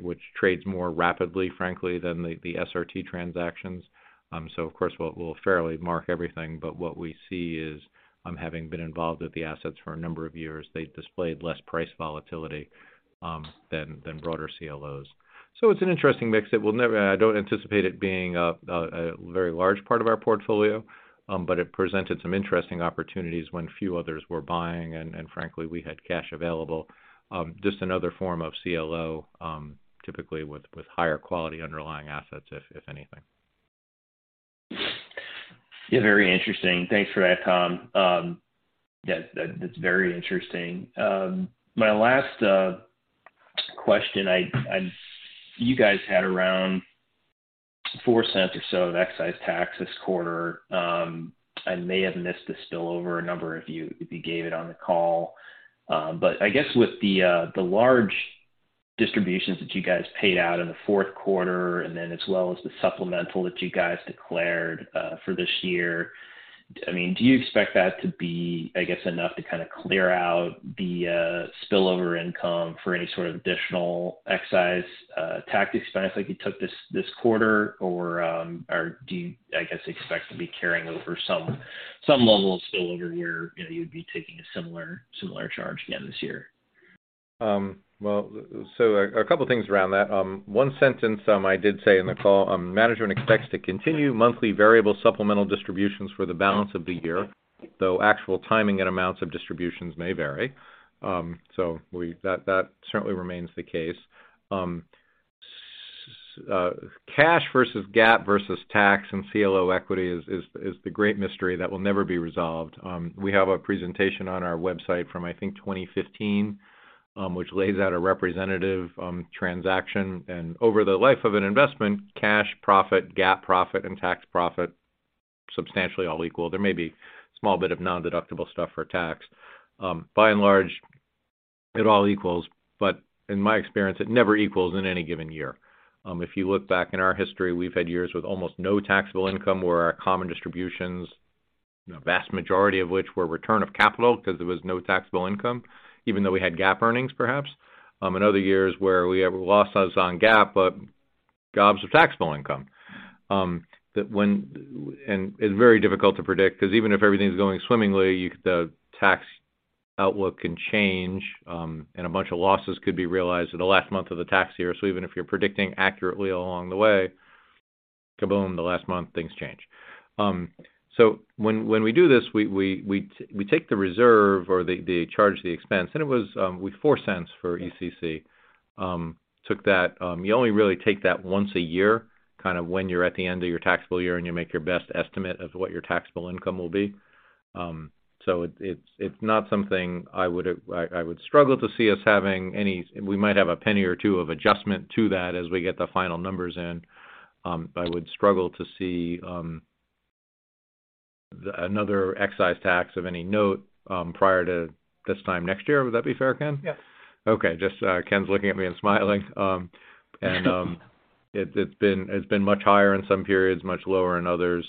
which trades more rapidly, frankly, than the SRT transactions. Of course we'll fairly mark everything, but what we see is, having been involved with the assets for a number of years, they displayed less price volatility than broader CLOs. It's an interesting mix. I don't anticipate it being a very large part of our portfolio. It presented some interesting opportunities when few others were buying and frankly, we had cash available. Just another form of CLO, typically with higher quality underlying assets if anything. Yeah, very interesting. Thanks for that, Tom. That's very interesting. My last question, I you guys had around $0.04 or so of excise tax this quarter. I may have missed the spillover, a number of you gave it on the call. I guess with the large distributions that you guys paid out in the fourth quarter, as well as the supplemental that you guys declared for this year. I mean, do you expect that to be, I guess, enough to kind of clear out the spillover income for any sort of additional excise tax expense like you took this quarter? Do you, I guess, expect to be carrying over some level of spillover where, you know, you'd be taking a similar charge again this year? Well, so a couple things around that. One sentence, I did say in the call, management expects to continue monthly variable supplemental distributions for the balance of the year, though actual timing and amounts of distributions may vary. So that certainly remains the case. Cash versus GAAP versus tax and CLO equity is the great mystery that will never be resolved. We have a presentation on our website from, I think, 2015, which lays out a representative transaction. Over the life of an investment, cash profit, GAAP profit, and tax profit substantially all equal. There may be a small bit of nondeductible stuff for tax. By and large, it all equals. In my experience, it never equals in any given year. If you look back in our history, we've had years with almost no taxable income, where our common distributions, you know, vast majority of which were return of capital because there was no taxable income, even though we had GAAP earnings perhaps. In other years where we have lost us on GAAP, but. Of taxable income. And it's very difficult to predict, 'cause even if everything's going swimmingly, the tax outlook can change, and a bunch of losses could be realized in the last month of the tax year. Even if you're predicting accurately along the way, kaboom, the last month, things change. When we do this, we take the reserve or the charge, the expense, and it was with $0.04 for ECC. Took that. You only really take that once a year, kind of when you're at the end of your taxable year and you make your best estimate of what your taxable income will be. It's not something I would struggle to see us having any. We might have a penny or two of adjustment to that as we get the final numbers in. I would struggle to see another excise tax of any note prior to this time next year. Would that be fair, Ken? Yes. Okay. Just Ken's looking at me and smiling. It's been much higher in some periods, much lower in others.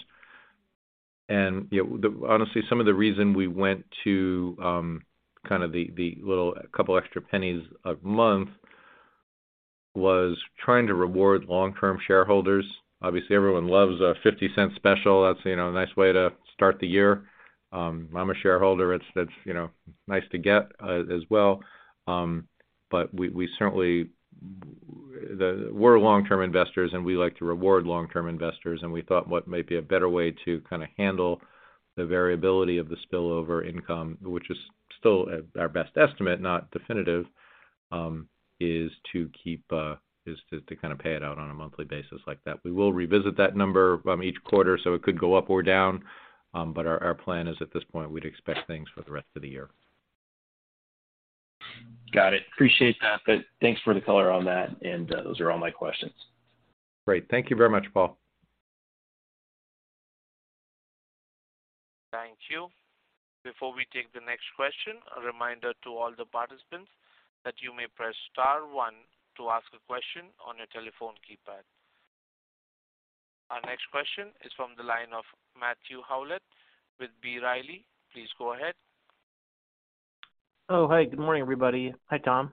You know, honestly, some of the reason we went to kind of the little couple extra pennies a month was trying to reward long-term shareholders. Obviously, everyone loves a $0.50 special. That's, you know, a nice way to start the year. I'm a shareholder, it's, that's, you know, nice to get as well. We certainly. We're long-term investors, and we like to reward long-term investors. We thought what may be a better way to kind of handle the variability of the spillover income, which is still our best estimate, not definitive, is to keep, is to kind of pay it out on a monthly basis like that. We will revisit that number, each quarter. It could go up or down. Our plan is, at this point, we'd expect things for the rest of the year. Got it. Appreciate that. Thanks for the color on that. Those are all my questions. Great. Thank you very much, Paul. Thank you. Before we take the next question, a reminder to all the participants that you may press star one to ask a question on your telephone keypad. Our next question is from the line of Matthew Howlett with B. Riley Securities. Please go ahead. Oh, hi. Good morning, everybody. Hi, Tom.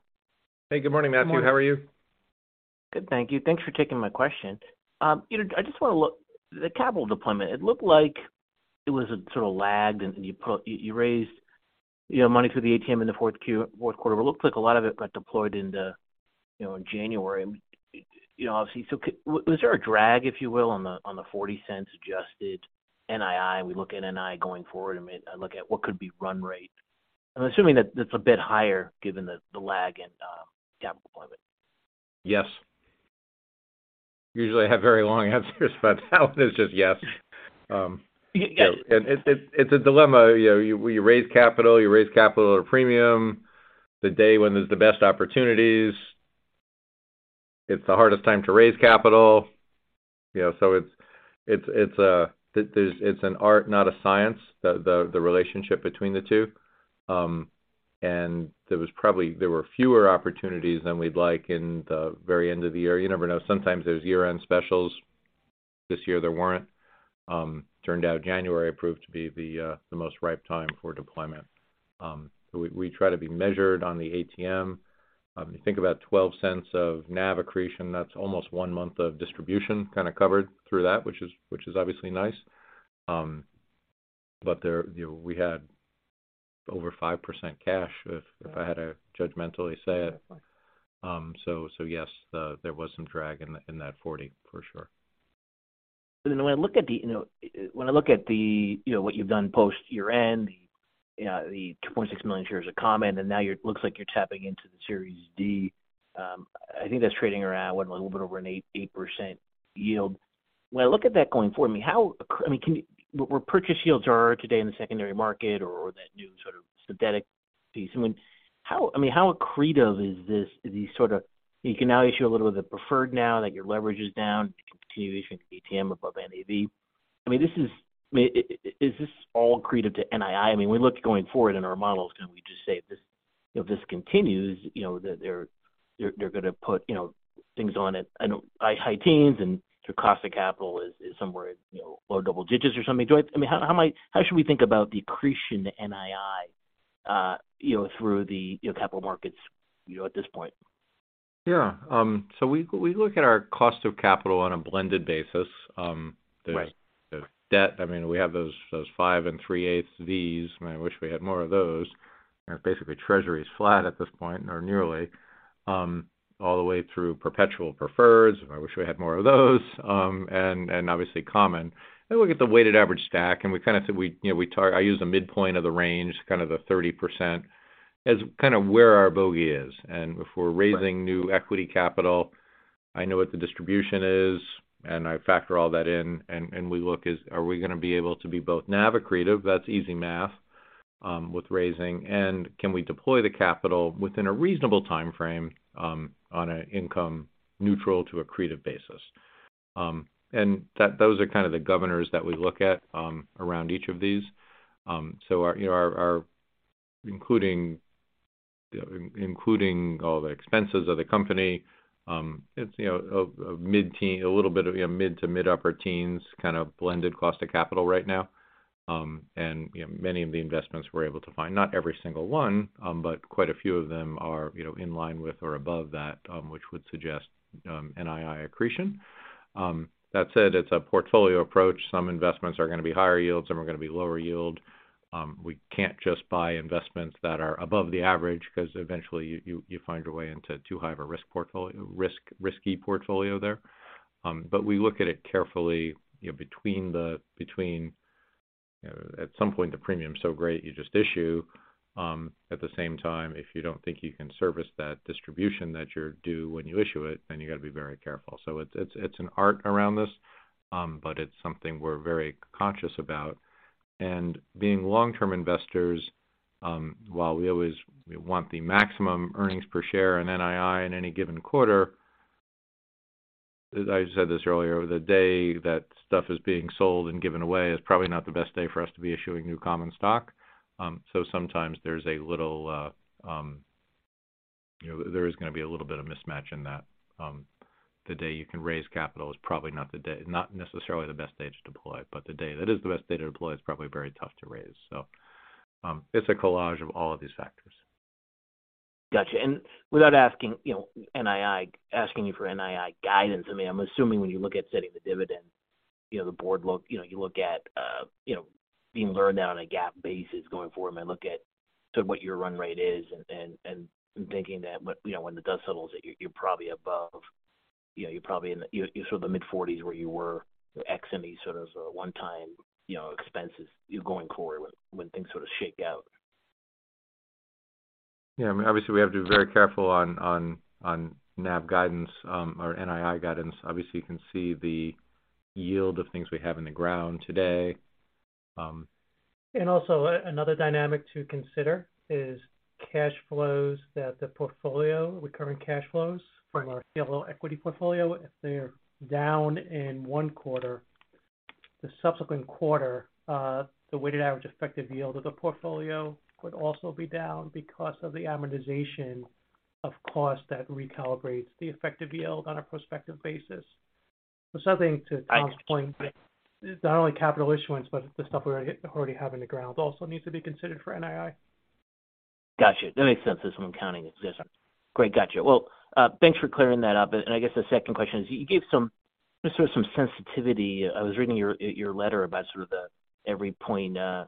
Hey, good morning, Matthew. Good morning. How are you? Good, thank you. Thanks for taking my question. You know, I just wanna look... The capital deployment, it looked like it was a sort of lagged. You raised, you know, money through the ATM in the fourth quarter. It looked like a lot of it got deployed into, you know, in January. You know, obviously... Was there a drag, if you will, on the $0.40 adjusted NII? We look at NII going forward, I mean, I look at what could be run rate. I'm assuming that that's a bit higher given the lag in capital deployment. Yes. Usually I have very long answers, but that one is just yes. Yeah. It's a dilemma. You know, you raise capital or premium the day when there's the best opportunities. It's the hardest time to raise capital. You know, it's an art, not a science, the relationship between the two. There were fewer opportunities than we'd like in the very end of the year. You never know. Sometimes there's year-end specials. This year, there weren't. Turned out January proved to be the most ripe time for deployment. We try to be measured on the ATM. You think about $0.12 of NAV accretion, that's almost one month of distribution kinda covered through that, which is obviously nice. There, you know, we had over 5% cash if I had to judgmentally say it. Yes, there was some drag in that 40 for sure. When I look at the, you know, what you've done post year-end, the $2.6 million shares of common, it looks like you're tapping into the Series D. I think that's trading around, what, a little bit over an 8% yield. When I look at that going forward, I mean, where purchase yields are today in the secondary market or that new sort of synthetic piece. I mean, how accretive is this? You can now issue a little bit of the preferred now that your leverage is down. You can continue issuing ATM above NAV. I mean, is this all accretive to NII? I mean, we look going forward in our models, can we just say if this, you know, if this continues, you know, that they're gonna put, you know, things on at, I know, high teens, and your cost of capital is somewhere, you know, lower double digits or something? I mean, how should we think about the accretion to NII, you know, through the, you know, capital markets, you know, at this point? Yeah. We look at our cost of capital on a blended basis. Right. There's debt. I mean, we have those, five and three-eighths Vs. I mean, I wish we had more of those. You know, basically Treasury is flat at this point, or nearly. All the way through perpetual prefers, and I wish we had more of those. Obviously common. Look at the weighted average stack, and we kind of say we, you know, I use the midpoint of the range, kind of the 30% as kind of where our bogey is. If we're raising- Right. New equity capital, I know what the distribution is, and I factor all that in, and we look is, are we gonna be able to be both NAV accretive, that's easy math, with raising. Can we deploy the capital within a reasonable timeframe, on a income neutral to accretive basis? Those are kind of the governors that we look at, around each of these. Our, you know, our including all the expenses of the company, it's, you know, a mid-teen, a little bit of, you know, mid to mid-upper teens kind of blended cost of capital right now. You know, many of the investments we're able to find, not every single one, but quite a few of them are, you know, in line with or above that, which would suggest NII accretion. That said, it's a portfolio approach. Some investments are gonna be higher yield, some are gonna be lower yield. We can't just buy investments that are above the average because eventually you find your way into too high of a risky portfolio there. We look at it carefully, you know, between, you know, at some point the premium's so great you just issue. At the same time, if you don't think you can service that distribution that you're due when you issue it, then you gotta be very careful. It's an art around this, but it's something we're very conscious about. Being long-term investors, while we always, we want the maximum earnings per share and NII in any given quarter, as I said this earlier, the day that stuff is being sold and given away is probably not the best day for us to be issuing new common stock. Sometimes there's a little, you know, there is gonna be a little bit of mismatch in that. The day you can raise capital is probably not the day, not necessarily the best day to deploy. The day that is the best day to deploy is probably very tough to raise. It's a collage of all of these factors. Gotcha. Without asking, you know, NII asking you for NII guidance, I mean, I'm assuming when you look at setting the dividend, you know, the board look, you know, you look at, you know, being learned now on a GAAP basis going forward, I mean, look at sort of what your run rate is and thinking that when, you know, when the dust settles, that you're probably above, you know, you're sort of the mid-forties where you were ex any sort of one-time, you know, expenses, you know, going forward when things sort of shake out. Yeah. I mean, obviously, we have to be very careful on NAV guidance, or NII guidance. Obviously, you can see the yield of things we have in the ground today. Also another dynamic to consider is cash flows that the portfolio, recurring cash flows from our CLO equity portfolio. If they're down in one quarter, the subsequent quarter, the weighted average effective yield of the portfolio would also be down because of the amortization of cost that recalibrates the effective yield on a prospective basis. Something to Tom's point. It's not only capital issuance, but the stuff we already have in the ground also needs to be considered for NII. Gotcha. That makes sense. That's what I'm counting. It's good. Great. Gotcha. Thanks for clearing that up. I guess the second question is, you gave some, just sort of some sensitivity. I was reading your letter about sort of the every point 5%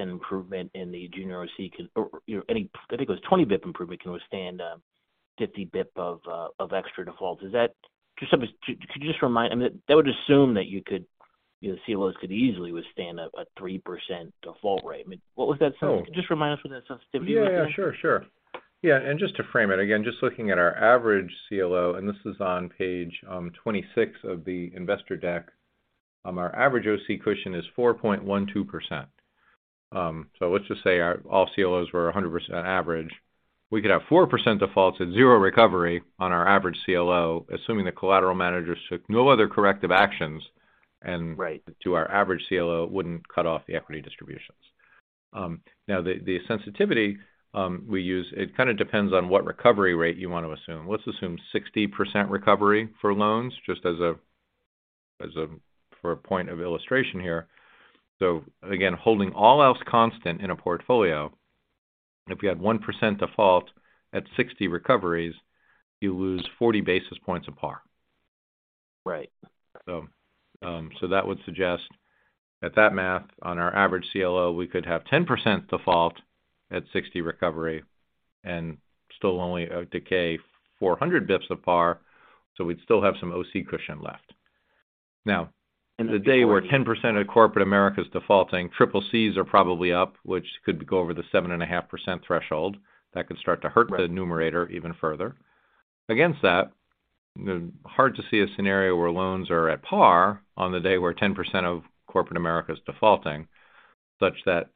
improvement in the junior OC can, you know, any, I think it was 20 bip improvement can withstand 50 bip of extra defaults. Is that? Could you just remind? I mean, that would assume that you could, you know, CLOs could easily withstand a 3% default rate. I mean, what was that? So- Can you just remind us what that sensitivity was again? Yeah. Sure, sure. Yeah. Just to frame it, again, just looking at our average CLO, and this is on page 26 of the investor deck. Our average OC cushion is 4.12%. Let's just say all CLOs were 100% average. We could have 4% defaults and zero recovery on our average CLO, assuming the collateral managers took no other corrective actions. Right to our average CLO wouldn't cut off the equity distributions. now the sensitivity, we use, it kinda depends on what recovery rate you want to assume. Let's assume 60% recovery for loans, just for a point of illustration here. Again, holding all else constant in a portfolio, and if you had 1% default at 60 recoveries, you lose 40 basis points of par. Right. That would suggest at that math on our average CLO, we could have 10% default at 60 recovery and still only decay 400 bips of par, so we'd still have some OC cushion left. And the- The day where 10% of corporate America's defaulting, CCCs are probably up, which could go over the 7.5% threshold. That could start to hurt. Right the numerator even further. Against that, you know, hard to see a scenario where loans are at par on the day where 10% of corporate America is defaulting, such that,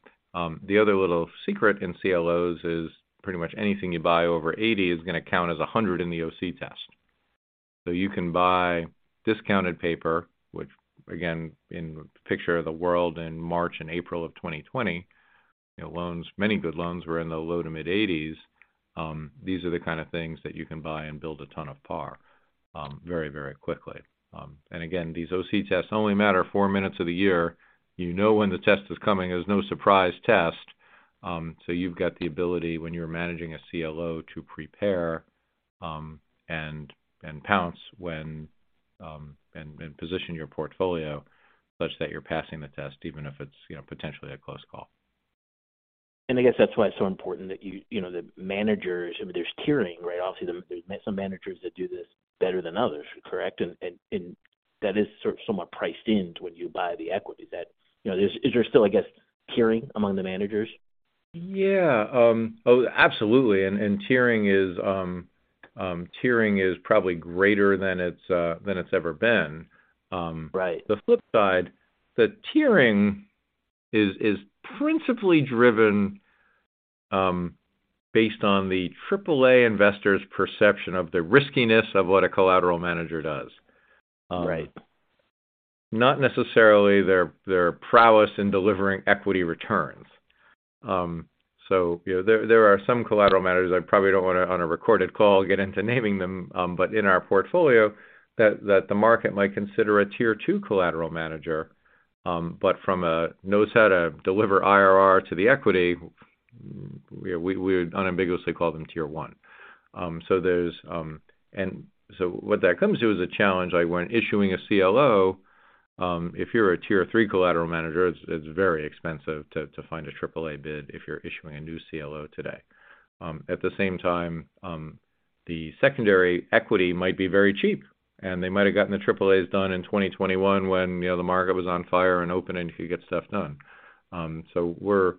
the other little secret in CLOs is pretty much anything you buy over 80 is gonna count as 100 in the OC test. You can buy discounted paper, which again, in the picture of the world in March and April of 2020, you know, loans, many good loans were in the low to mid-80s. These are the kind of things that you can buy and build a ton of par, very, very quickly. Again, these OC tests only matter four minutes of the year. You know when the test is coming. There's no surprise test. You've got the ability when you're managing a CLO to prepare, and pounce when and position your portfolio such that you're passing the test even if it's, you know, potentially a close call. I guess that's why it's so important that you know, the managers, I mean, there's tiering, right? Obviously, there's some managers that do this better than others, correct? That is sort of somewhat priced in when you buy the equity. You know, is there still, I guess, tiering among the managers? Yeah, absolutely. Tiering is probably greater than it's ever been. Right the flip side, the tiering is principally driven based on the AAA investor's perception of the riskiness of what a collateral manager does. Right not necessarily their prowess in delivering equity returns. You know, there are some collateral managers, I probably don't wanna, on a recorded call, get into naming them, but in our portfolio that the market might consider a tier two collateral manager, but knows how to deliver IRR to the equity, you know, we would unambiguously call them tier one. What that comes to is a challenge, like when issuing a CLO, if you're a tier three collateral manager, it's very expensive to find a AAA bid if you're issuing a new CLO today. At the same time, the secondary equity might be very cheap, and they might've gotten the AAA's done in 2021 when, you know, the market was on fire and open, and you could get stuff done. We're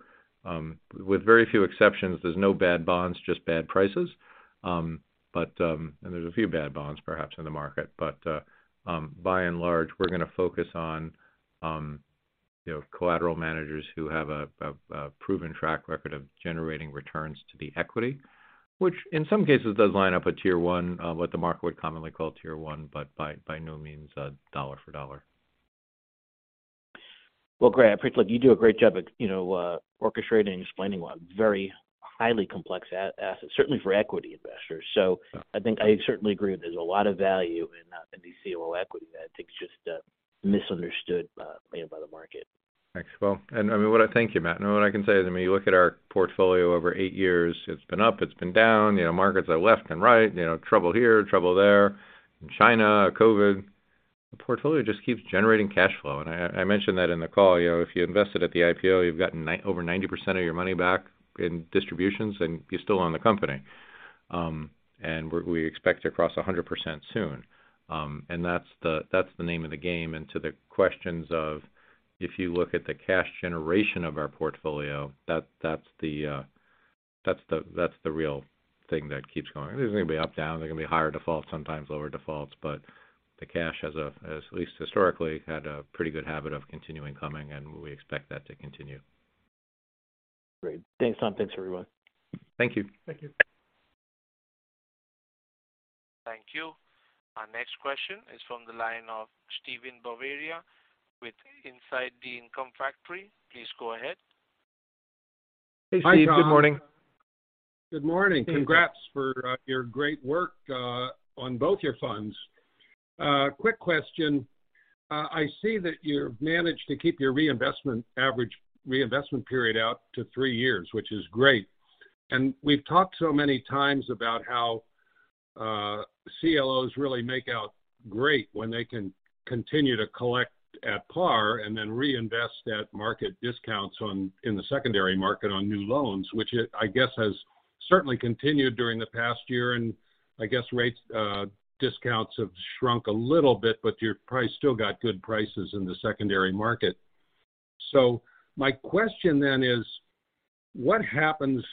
with very few exceptions, there's no bad bonds, just bad prices. There's a few bad bonds perhaps in the market. By and large, we're gonna focus on, you know, collateral managers who have a proven track record of generating returns to the equity, which in some cases does line up with tier 1, what the market would commonly call tier 1, but by no means, dollar for dollar. Well, great. I appreciate. Look, you do a great job at, you know, orchestrating and explaining what very highly complex asset, certainly for equity investors. I think I certainly agree there's a lot of value in these CLO equity that I think is just misunderstood, you know, by the market. Thanks. Thank you, Matt, what I can say is, you look at our portfolio over eight years, it's been up, it's been down, you know, markets are left and right, you know, trouble here, trouble there. In China, COVID. The portfolio just keeps generating cash flow. I mentioned that in the call, you know, if you invested at the IPO, you've gotten over 90% of your money back in distributions, and you still own the company. We expect to cross 100% soon. That's the name of the game. To the questions of if you look at the cash generation of our portfolio, that's the real thing that keeps going. There's gonna be up, down, there's gonna be higher defaults, sometimes lower defaults, but the cash has a, as at least historically, had a pretty good habit of continuing coming, and we expect that to continue. Great. Thanks, Tom. Thanks, everyone. Thank you. Thank you. Thank you. Our next question is from the line of Steven Bavaria with Inside The Income Factory. Please go ahead. Hey, Steve. Good morning. Hi, Tom. Good morning. Congrats for your great work on both your funds. Quick question. I see that you've managed to keep your reinvestment, average reinvestment period out to three years, which is great. We've talked so many times about how CLOs really make out great when they can continue to collect at par and then reinvest at market discounts on, in the secondary market on new loans, which I guess has certainly continued during the past year. I guess rates, discounts have shrunk a little bit, but you're probably still got good prices in the secondary market. My question: What happens,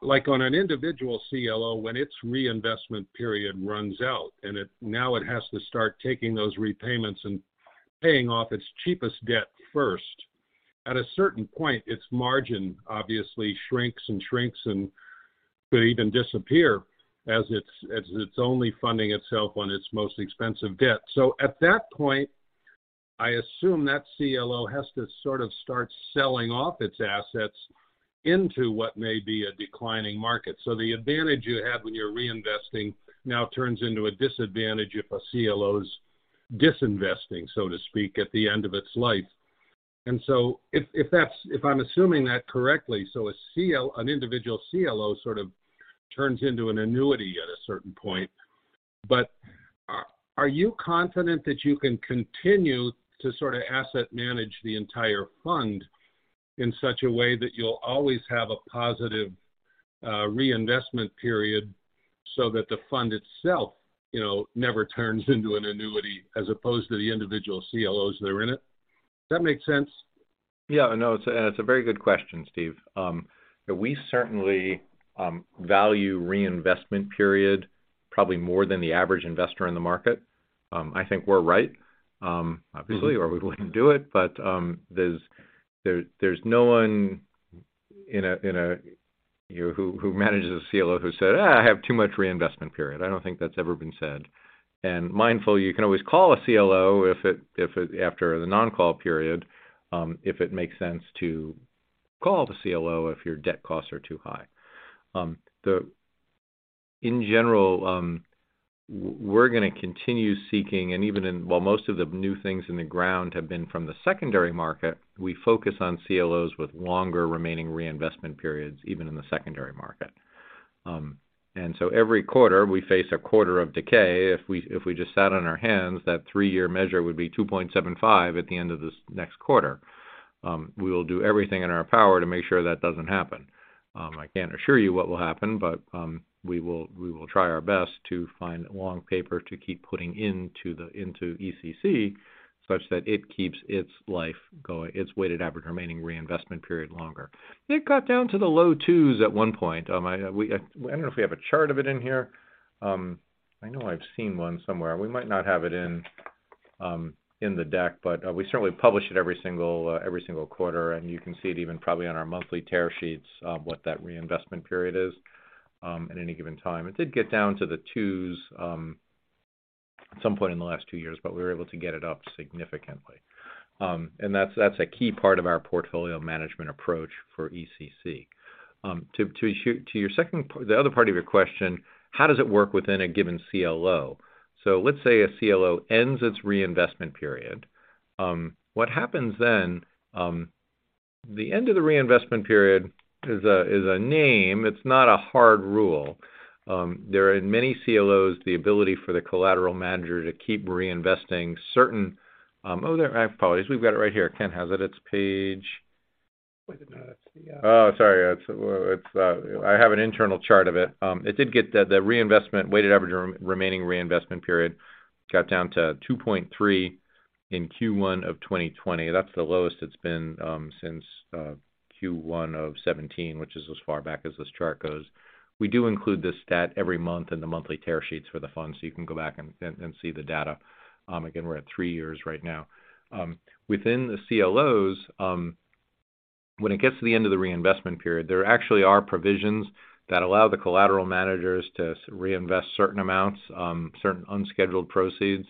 like on an individual CLO, when its reinvestment period runs out and now it has to start taking those repayments and paying off its cheapest debt first? At a certain point, its margin obviously shrinks and shrinks and could even disappear as it's only funding itself on its most expensive debt. At that point, I assume that CLO has to sort of start selling off its assets into what may be a declining market. The advantage you have when you're reinvesting now turns into a disadvantage if a CLO is disinvesting, so to speak, at the end of its life. If I'm assuming that correctly, an individual CLO sort of turns into an annuity at a certain point. Are you confident that you can continue to sort of asset manage the entire fund in such a way that you'll always have a positive reinvestment period so that the fund itself never turns into an annuity as opposed to the individual CLOs that are in it? Does that make sense? Yeah, no, it's a very good question, Steve. We certainly value reinvestment period probably more than the average investor in the market. I think we're right, obviously, or we wouldn't do it. There's no one who manages a CLO who said, "I have too much reinvestment period." I don't think that's ever been said. Mindful, you can always call a CLO after the non-call period if it makes sense to call the CLO if your debt costs are too high. In general, we're going to continue seeking, and even while most of the new things in the ground have been from the secondary market, we focus on CLOs with longer remaining reinvestment periods, even in the secondary market. Every quarter, we face a quarter of decay. If we just sat on our hands, that three-year measure would be 2.75 at the end of this next quarter. We will do everything in our power to make sure that doesn't happen. I can't assure you what will happen, but we will try our best to find long paper to keep putting into ECC such that it keeps its life going, its weighted average remaining reinvestment period longer. It got down to the low twos at one point. I don't know if we have a chart of it in here. I know I've seen one somewhere. We might not have it in the deck, but we certainly publish it every single quarter, and you can see it even probably on our monthly tear sheets what that reinvestment period is at any given time. It did get down to the twos at some point in the last two years. We were able to get it up significantly. That's a key part of our portfolio management approach for ECC. To your second, the other part of your question, how does it work within a given CLO? Let's say a CLO ends its reinvestment period. What happens then? The end of the reinvestment period is a name. It's not a hard rule. There are in many CLOs the ability for the collateral manager to keep reinvesting. Oh, there. I apologize. We've got it right here. Ken has it. It's page. Wait a minute. Oh, sorry. I have an internal chart of it. It did get the reinvestment, weighted average remaining reinvestment period got down to 2.3 in Q1 of 2020. That's the lowest it's been since Q1 of 2017, which is as far back as this chart goes. We do include this stat every month in the monthly tear sheets for the fund. You can go back and see the data. Again, we're at three years right now. Within the CLOs, when it gets to the end of the reinvestment period, there actually are provisions that allow the collateral managers to reinvest certain amounts, certain unscheduled proceeds,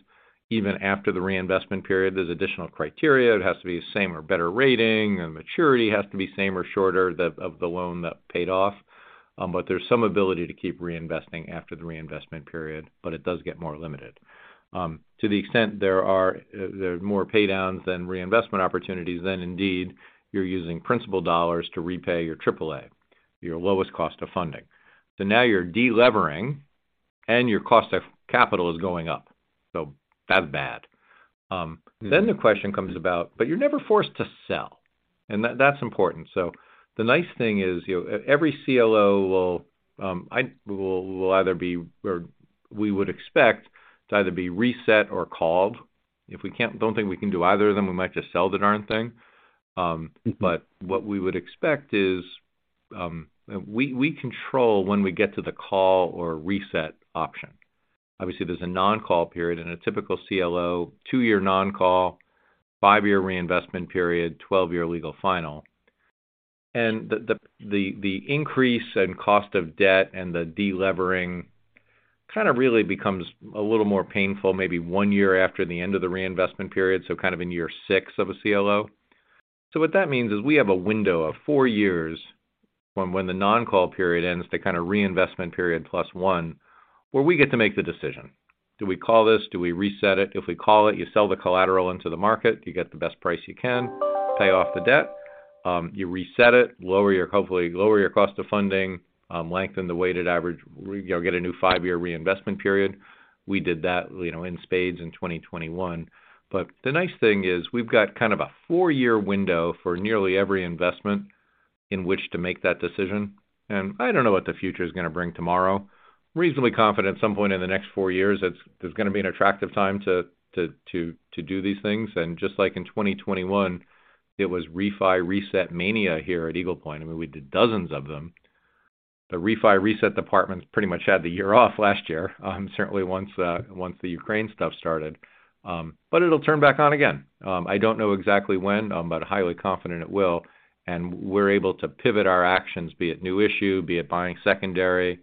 even after the reinvestment period. There's additional criteria. It has to be same or better rating. The maturity has to be same or shorter of the loan that paid off. There's some ability to keep reinvesting after the reinvestment period, but it does get more limited. To the extent there are more paydowns than reinvestment opportunities, then indeed you're using principal dollars to repay your AAA, your lowest cost of funding. Now you're de-levering, and your cost of capital is going up. That's bad. The question comes about, but you're never forced to sell, and that's important. The nice thing is every CLO will either be or we would expect to either be reset or called. If we don't think we can do either of them, we might just sell the darn thing. What we would expect is we control when we get to the call or reset option. Obviously, there's a non-call period in a typical CLO, two-year non-call, five-year reinvestment period, 12-year legal final. The increase in cost of debt and the de-levering kind of really becomes a little more painful maybe one year after the end of the reinvestment period, so kind of in year six of a CLO. What that means is we have a window of four years from when the non-call period ends to kind of reinvestment period plus 1onewhere we get to make the decision. Do we call this? Do we reset it? If we call it, you sell the collateral into the market. You get the best price you can, pay off the debt. You reset it, hopefully lower your cost of funding, lengthen the weighted average, get a new five-year reinvestment period. We did that in spades in 2021. The nice thing is we've got kind of a four-year window for nearly every investment in which to make that decision. I don't know what the future is going to bring tomorrow. Reasonably confident at some point in the next four years there's going to be an attractive time to do these things. Just like in 2021, it was refi reset mania here at Eagle Point. I mean, we did dozens of them. The refi reset departments pretty much had the year off last year, certainly once the Ukraine stuff started. It'll turn back on again. I don't know exactly when, but highly confident it will. We're able to pivot our actions, be it new issue, be it buying secondary,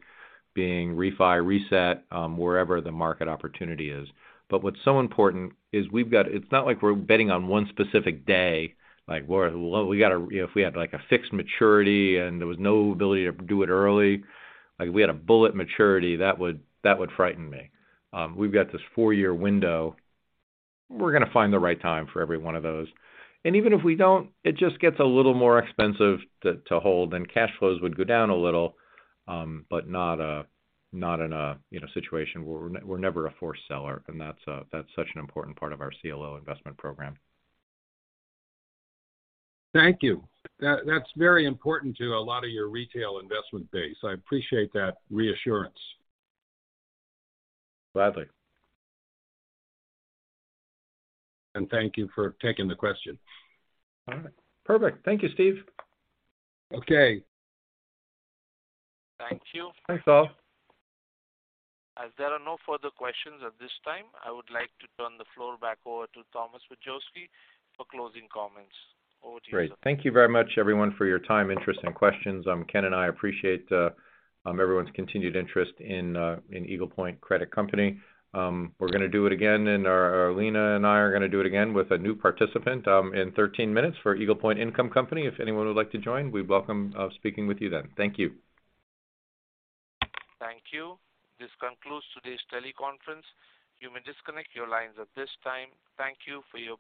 being refi reset, wherever the market opportunity is. What's so important is we've got It's not like we're betting on one specific day. Like, we got a If we had, like, a fixed maturity and there was no ability to do it early. Like, if we had a bullet maturity, that would frighten me. We've got this four-year window. We're gonna find the right time for every one of those. Even if we don't, it just gets a little more expensive to hold, and cash flows would go down a little, but not a, not in a, you know, situation where we're never a forced seller, and that's such an important part of our CLO investment program. Thank you. That's very important to a lot of your retail investment base. I appreciate that reassurance. Gladly. Thank you for taking the question. All right. Perfect. Thank you, Steve. Okay. Thank you. Thanks, all. As there are no further questions at this time, I would like to turn the floor back over to Thomas Majewski for closing comments. Over to you, sir. Great. Thank you very much everyone for your time, interest, and questions. Ken and I appreciate everyone's continued interest in Eagle Point Credit Company. We're gonna do it again and Arlena and I are gonna do it again with a new participant in 13 minutes for Eagle Point Income Company. If anyone would like to join, we welcome speaking with you then. Thank you. Thank you. This concludes today's teleconference. You may disconnect your lines at this time. Thank you for your participation.